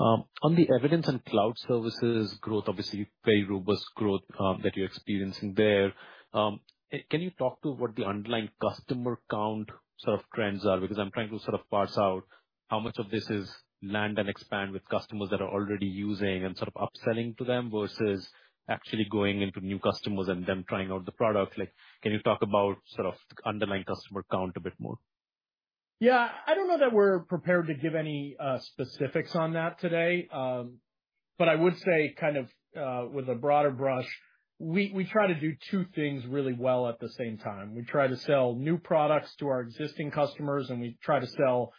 On the evidence and cloud services growth, obviously very robust growth that you're experiencing there. Can you talk to what the underlying customer count sort of trends are? I'm trying to sort of parse out how much of this is land and expand with customers that are already using and sort of upselling to them, versus actually going into new customers and them trying out the product. Can you talk about sort of the underlying customer count a bit more? Yeah. I don't know that we're prepared to give any specifics on that today. I would say kind of with a broader brush, we, we try to do 2 things really well at the same time. We try to sell new products to our existing customers, and we try to sell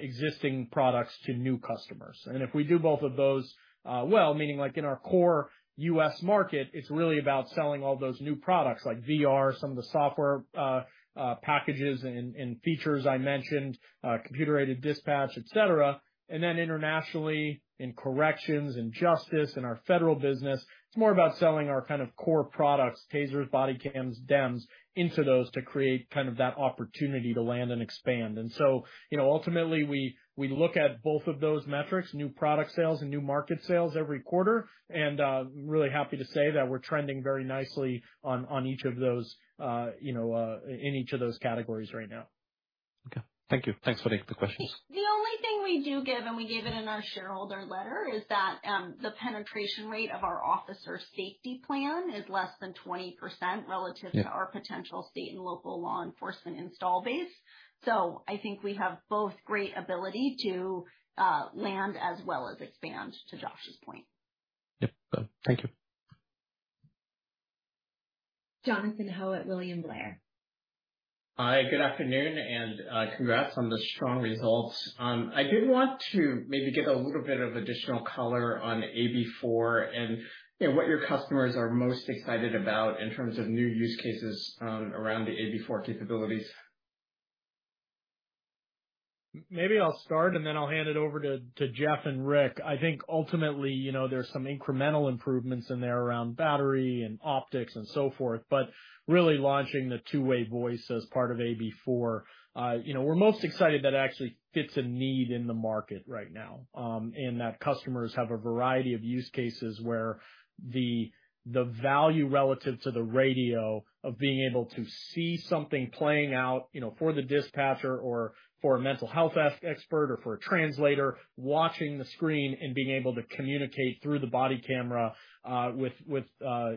existing products to new customers. If we do both of those well, meaning like in our core U.S. market, it's really about selling all those new products, like VR, some of the software packages and features I mentioned, computer-aided dispatch, et cetera. Then internationally, in corrections, in justice, in our federal business, it's more about selling our kind of core products, TASERs, body cams, DEMS, into those to create kind of that opportunity to land and expand. You know, ultimately we, we look at both of those metrics, new product sales and new market sales every quarter, and, really happy to say that we're trending very nicely on, on each of those, you know, in each of those categories right now. Okay. Thank you. Thanks for the questions. The only thing we do give, and we gave it in our shareholder letter, is that the penetration rate of our Officer Safety Plan is less than 20%. Yeah. relative to our potential state and local law enforcement install base. I think we have both great ability to land as well as expand, to Josh's point. Yep. Thank you. Jonathan Ho, William Blair. Hi, good afternoon, and congrats on the strong results. I did want to maybe get a little bit of additional color on AB4 and, you know, what your customers are most excited about in terms of new use cases around the AB4 capabilities. maybe I'll start, and then I'll hand it over to Jeff and Rick. I think ultimately, you know, there's some incremental improvements in there around battery and optics and so forth, but really launching the 2-way voice as part of AB4. you know, we're most excited that it actually fits a need in the market right now. and that customers have a variety of use cases where the, the value relative to the radio of being able to see something playing out, you know, for the dispatcher or for a mental health expert, or for a translator, watching the screen and being able to communicate through the body camera, with, with,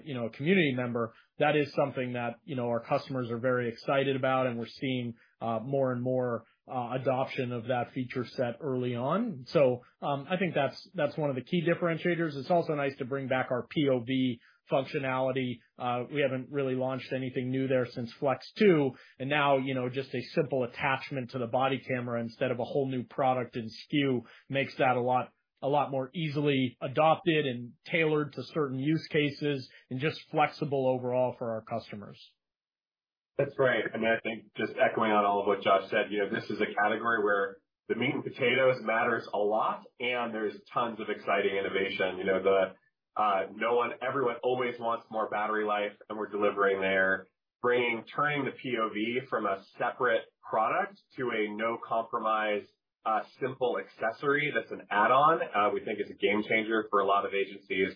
you know, a community member, that is something that, you know, our customers are very excited about, and we're seeing more and more adoption of that feature set early on. I think that's, that's one of the key differentiators. It's also nice to bring back our POV functionality. We haven't really launched anything new there since Flex 2, and now, you know, just a simple attachment to the body camera instead of a whole new product and SKU, makes that a lot, a lot more easily adopted and tailored to certain use cases, and just flexible overall for our customers. That's right. I think just echoing on all of what Josh said, you know, this is a category where the meat and potatoes matters a lot, and there's tons of exciting innovation. You know, everyone always wants more battery life, and we're delivering there. Bringing, turning the POV from a separate product to a no-compromise, simple accessory that's an add-on, we think is a game changer for a lot of agencies.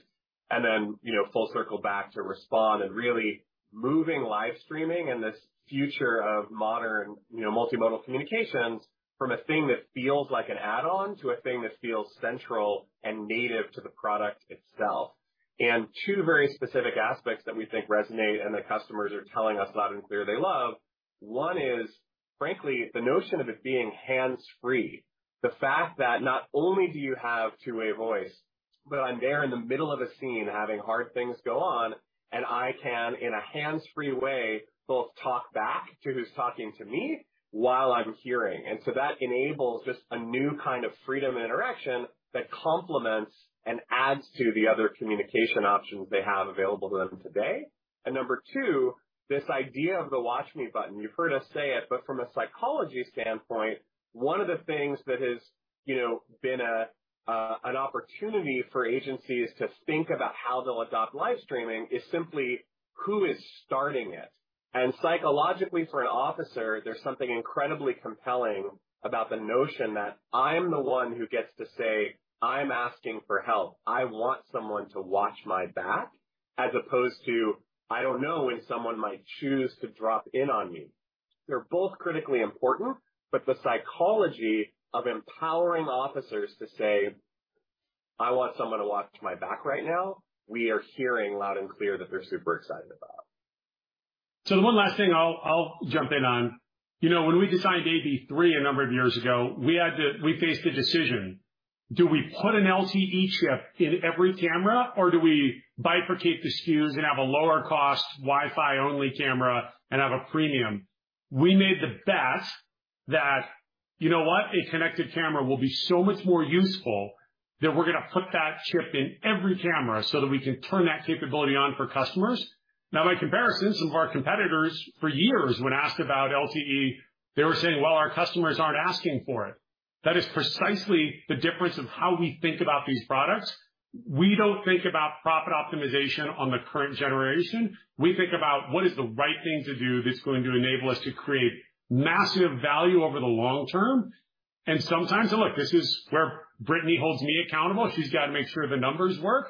You know, full circle back to Respond and really moving live streaming and this future of modern, you know, multimodal communications from a thing that feels like an add-on to a thing that feels central and native to the product itself. Two very specific aspects that we think resonate, and the customers are telling us loud and clear they love: One is, frankly, the notion of it being hands-free. The fact that not only do you have two-way voice, but I'm there in the middle of a scene having hard things go on, and I can, in a hands-free way, both talk back to who's talking to me while I'm hearing. So that enables just a new kind of freedom and interaction that complements and adds to the other communication options they have available to them today. Number 2, this idea of the Watch Me button. You've heard us say it, but from a psychology standpoint, one of the things that has, you know, been an opportunity for agencies to think about how they'll adopt live streaming is simply who is starting it. Psychologically, for an officer, there's something incredibly compelling about the notion that I'm the one who gets to say, "I'm asking for help. I want someone to watch my back," as opposed to, "I don't know when someone might choose to drop in on me."... They're both critically important, but the psychology of empowering officers to say, "I want someone to watch my back right now," we are hearing loud and clear that they're super excited about. The one last thing I'll, I'll jump in on. You know, when we designed AB3 a number of years ago, we faced a decision: Do we put an LTE chip in every camera, or do we bifurcate the SKUs and have a lower cost Wi-Fi only camera and have a premium? We made the bet that, you know what, a connected camera will be so much more useful that we're gonna put that chip in every camera so that we can turn that capability on for customers. By comparison, some of our competitors, for years, when asked about LTE, they were saying, "Well, our customers aren't asking for it." That is precisely the difference of how we think about these products. We don't think about profit optimization on the current generation. We think about what is the right thing to do that's going to enable us to create massive value over the long term. Sometimes, look, this is where Brittany holds me accountable. She's got to make sure the numbers work,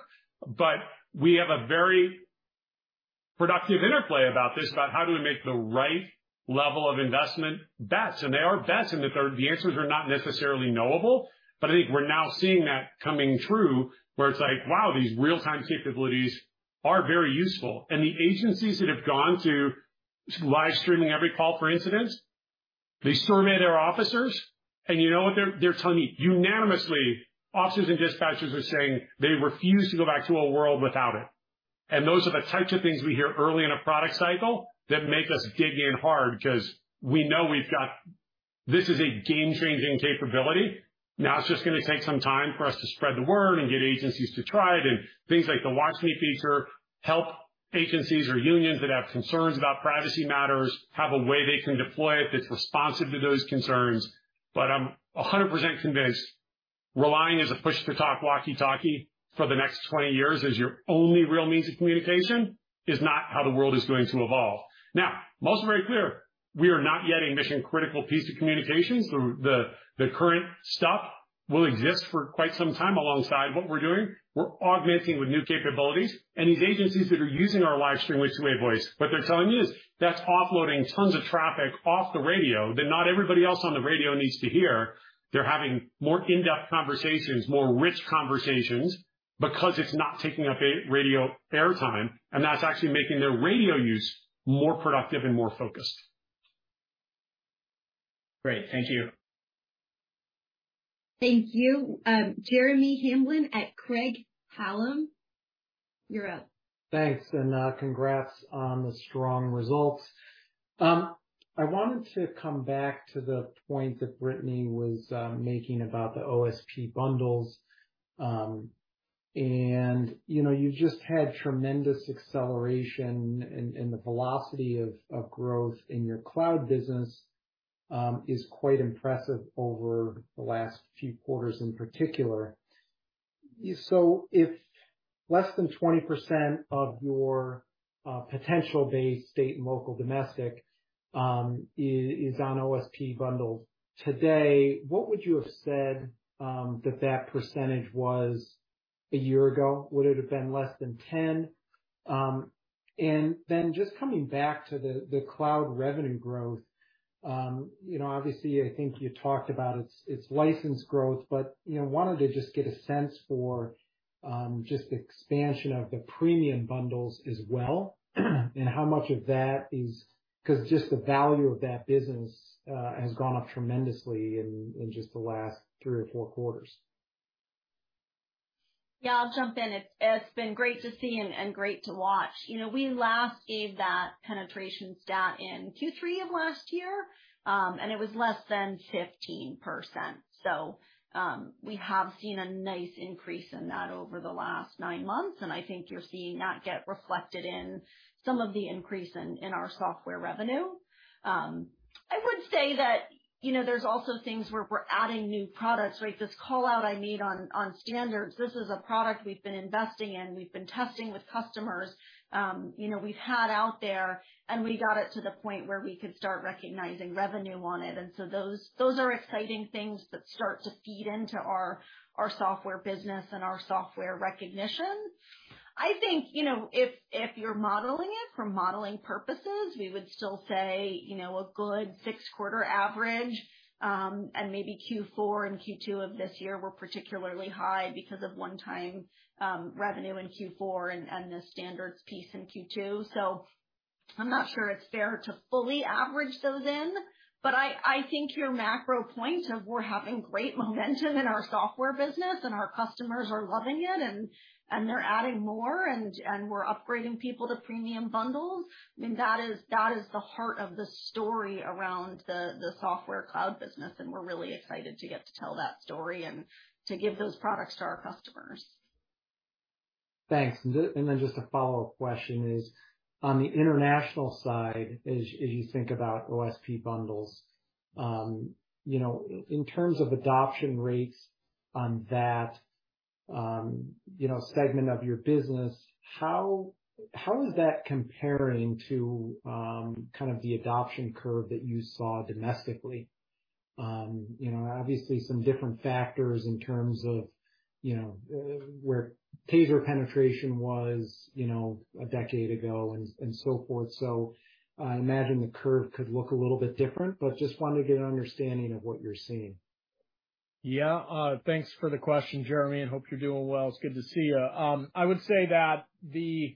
but we have a very productive interplay about this, about how do we make the right level of investment bets, and they are bets, and the answers are not necessarily knowable. I think we're now seeing that coming true, where it's like, wow, these real-time capabilities are very useful. The agencies that have gone to live streaming every call for incidents, they surveyed their officers, and you know what they're telling me? Unanimously, officers and dispatchers are saying they refuse to go back to a world without it. Those are the types of things we hear early in a product cycle that make us dig in hard because we know we've got. This is a game-changing capability. Now, it's just gonna take some time for us to spread the word and get agencies to try it. Things like the Watch Me feature help agencies or unions that have concerns about privacy matters, have a way they can deploy it that's responsive to those concerns. I'm 100% convinced relying as a push-to-talk walkie-talkie for the next 20 years as your only real means of communication is not how the world is going to evolve. Let's be very clear, we are not yet a mission-critical piece of communications. The, the, the current stuff will exist for quite some time alongside what we're doing. We're augmenting with new capabilities and these agencies that are using our live stream, two-way voice, what they're telling you is that's offloading tons of traffic off the radio that not everybody else on the radio needs to hear. They're having more in-depth conversations, more rich conversations, because it's not taking up a radio airtime, and that's actually making their radio use more productive and more focused. Great. Thank you. Thank you. Jeremy Hamblin at Craig-Hallum, you're up. Thanks. Congrats on the strong results. You know, you just had tremendous acceleration in, in the velocity of, of growth in your cloud business, is quite impressive over the last few quarters in particular. If less than 20% of your potential base, state and local, domestic, is, is on OSP bundles today, what would you have said that that percentage was a year ago? Would it have been less than 10? Then just coming back to the, the cloud revenue growth, you know, obviously, I think you talked about it's, it's licensed growth, but, you know, wanted to just get a sense for just the expansion of the premium bundles as well, and how much of that is... Just the value of that business has gone up tremendously in, in just the last three or four quarters. Yeah, I'll jump in. It's, it's been great to see and, and great to watch. You know, we last gave that penetration stat in Q3 of last year, and it was less than 15%. We have seen a nice increase in that over the last 9 months, and I think you're seeing that get reflected in some of the increase in, in our software revenue. I would say that, you know, there's also things where we're adding new products, right? This call out I made on, on Standards, this is a product we've been investing in, we've been testing with customers, you know, we've had out there, and we got it to the point where we could start recognizing revenue on it. Those, those are exciting things that start to feed into our, our software business and our software recognition. I think, you know, if, if you're modeling it for modeling purposes, we would still say, you know, a good six-quarter average, and maybe Q4 and Q2 of this year were particularly high because of one-time revenue in Q4 and, and the standards piece in Q2. I'm not sure it's fair to fully average those in, but I, I think your macro point of we're having great momentum in our software business and our customers are loving it, and, and they're adding more, and, and we're upgrading people to premium bundles, I mean, that is, that is the heart of the story around the, the software cloud business, and we're really excited to get to tell that story and to give those products to our customers. Thanks. Then just a follow-up question is, on the international side, as, as you think about OSP bundles, you know, in terms of adoption rates on that, you know, segment of your business, how, how is that comparing to, kind of the adoption curve that you saw domestically? You know, obviously some different factors in terms of, you know, where TASER penetration was, you know, a decade ago and so forth. I imagine the curve could look a little bit different, but just wanted to get an understanding of what you're seeing. Yeah. Thanks for the question, Jeremy. Hope you're doing well. It's good to see you. I would say that the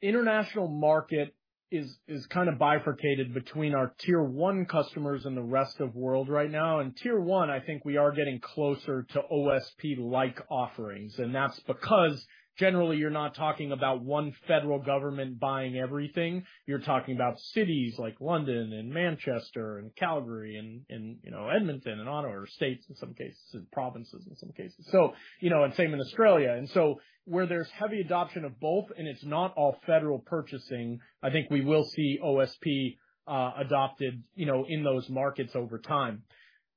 international market is, is kind of bifurcated between our tier one customers and the rest of world right now. In tier one, I think we are getting closer to OSP-like offerings. That's because generally you're not talking about one federal government buying everything. You're talking about cities like London and Manchester and Calgary, you know, Edmonton and Ottawa, or states in some cases, and provinces in some cases. You know, and same in Australia. Where there's heavy adoption of both, and it's not all federal purchasing, I think we will see OSP adopted, you know, in those markets over time.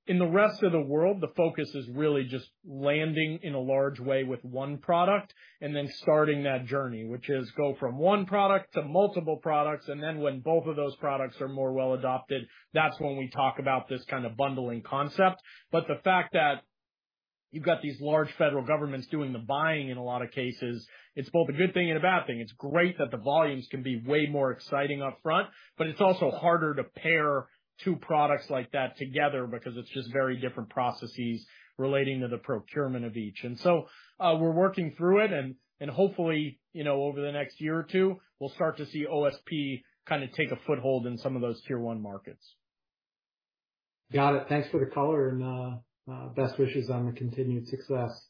In the rest of the world, the focus is really just landing in a large way with 1 product and then starting that journey, which is go from 1 product to multiple products, and then when both of those products are more well adopted, that's when we talk about this kind of bundling concept. The fact that you've got these large federal governments doing the buying in a lot of cases, it's both a good thing and a bad thing. It's great that the volumes can be way more exciting up front, but it's also harder to pair 2 products like that together because it's just very different processes relating to the procurement of each. We're working through it, and, and hopefully, you know, over the next year or two, we'll start to see OSP kind of take a foothold in some of those tier one markets. Got it. Thanks for the color and best wishes on your continued success.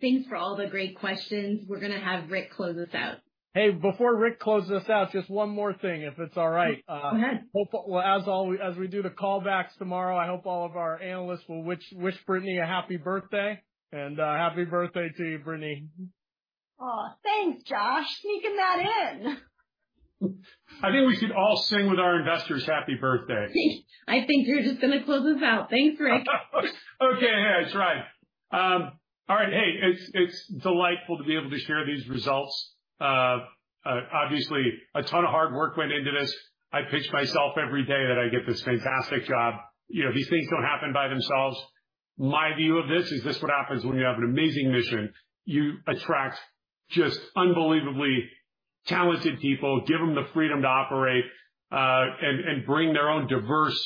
Thanks for all the great questions. We're gonna have Rick close us out. Hey, before Rick closes us out, just one more thing, if it's all right. Go ahead. Well, as we do the call backs tomorrow, I hope all of our analysts will wish, wish Brittany a happy birthday, and happy birthday to you, Brittany. Aw, thanks, Josh, sneaking that in! I think we should all sing with our investors happy birthday. I think you're just gonna close us out. Thanks, Rick. Okay, yeah, that's right. All right. Hey, it's, it's delightful to be able to share these results. Obviously, a ton of hard work went into this. I pinch myself every day that I get this fantastic job. You know, these things don't happen by themselves. My view of this is this is what happens when you have an amazing mission. You attract just unbelievably talented people, give them the freedom to operate, and bring their own diverse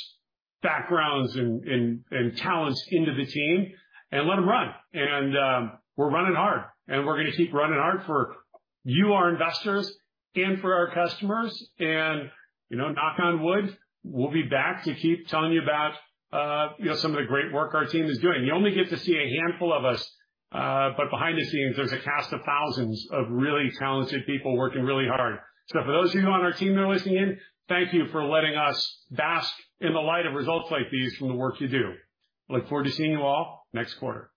backgrounds and talents into the team, and let them run. We're running hard, and we're gonna keep running hard for you, our investors, and for our customers. You know, knock on wood, we'll be back to keep telling you about, you know, some of the great work our team is doing. You only get to see a handful of us, but behind the scenes, there's a cast of thousands of really talented people working really hard. For those of you on our team that are listening in, thank you for letting us bask in the light of results like these from the work you do. Look forward to seeing you all next quarter.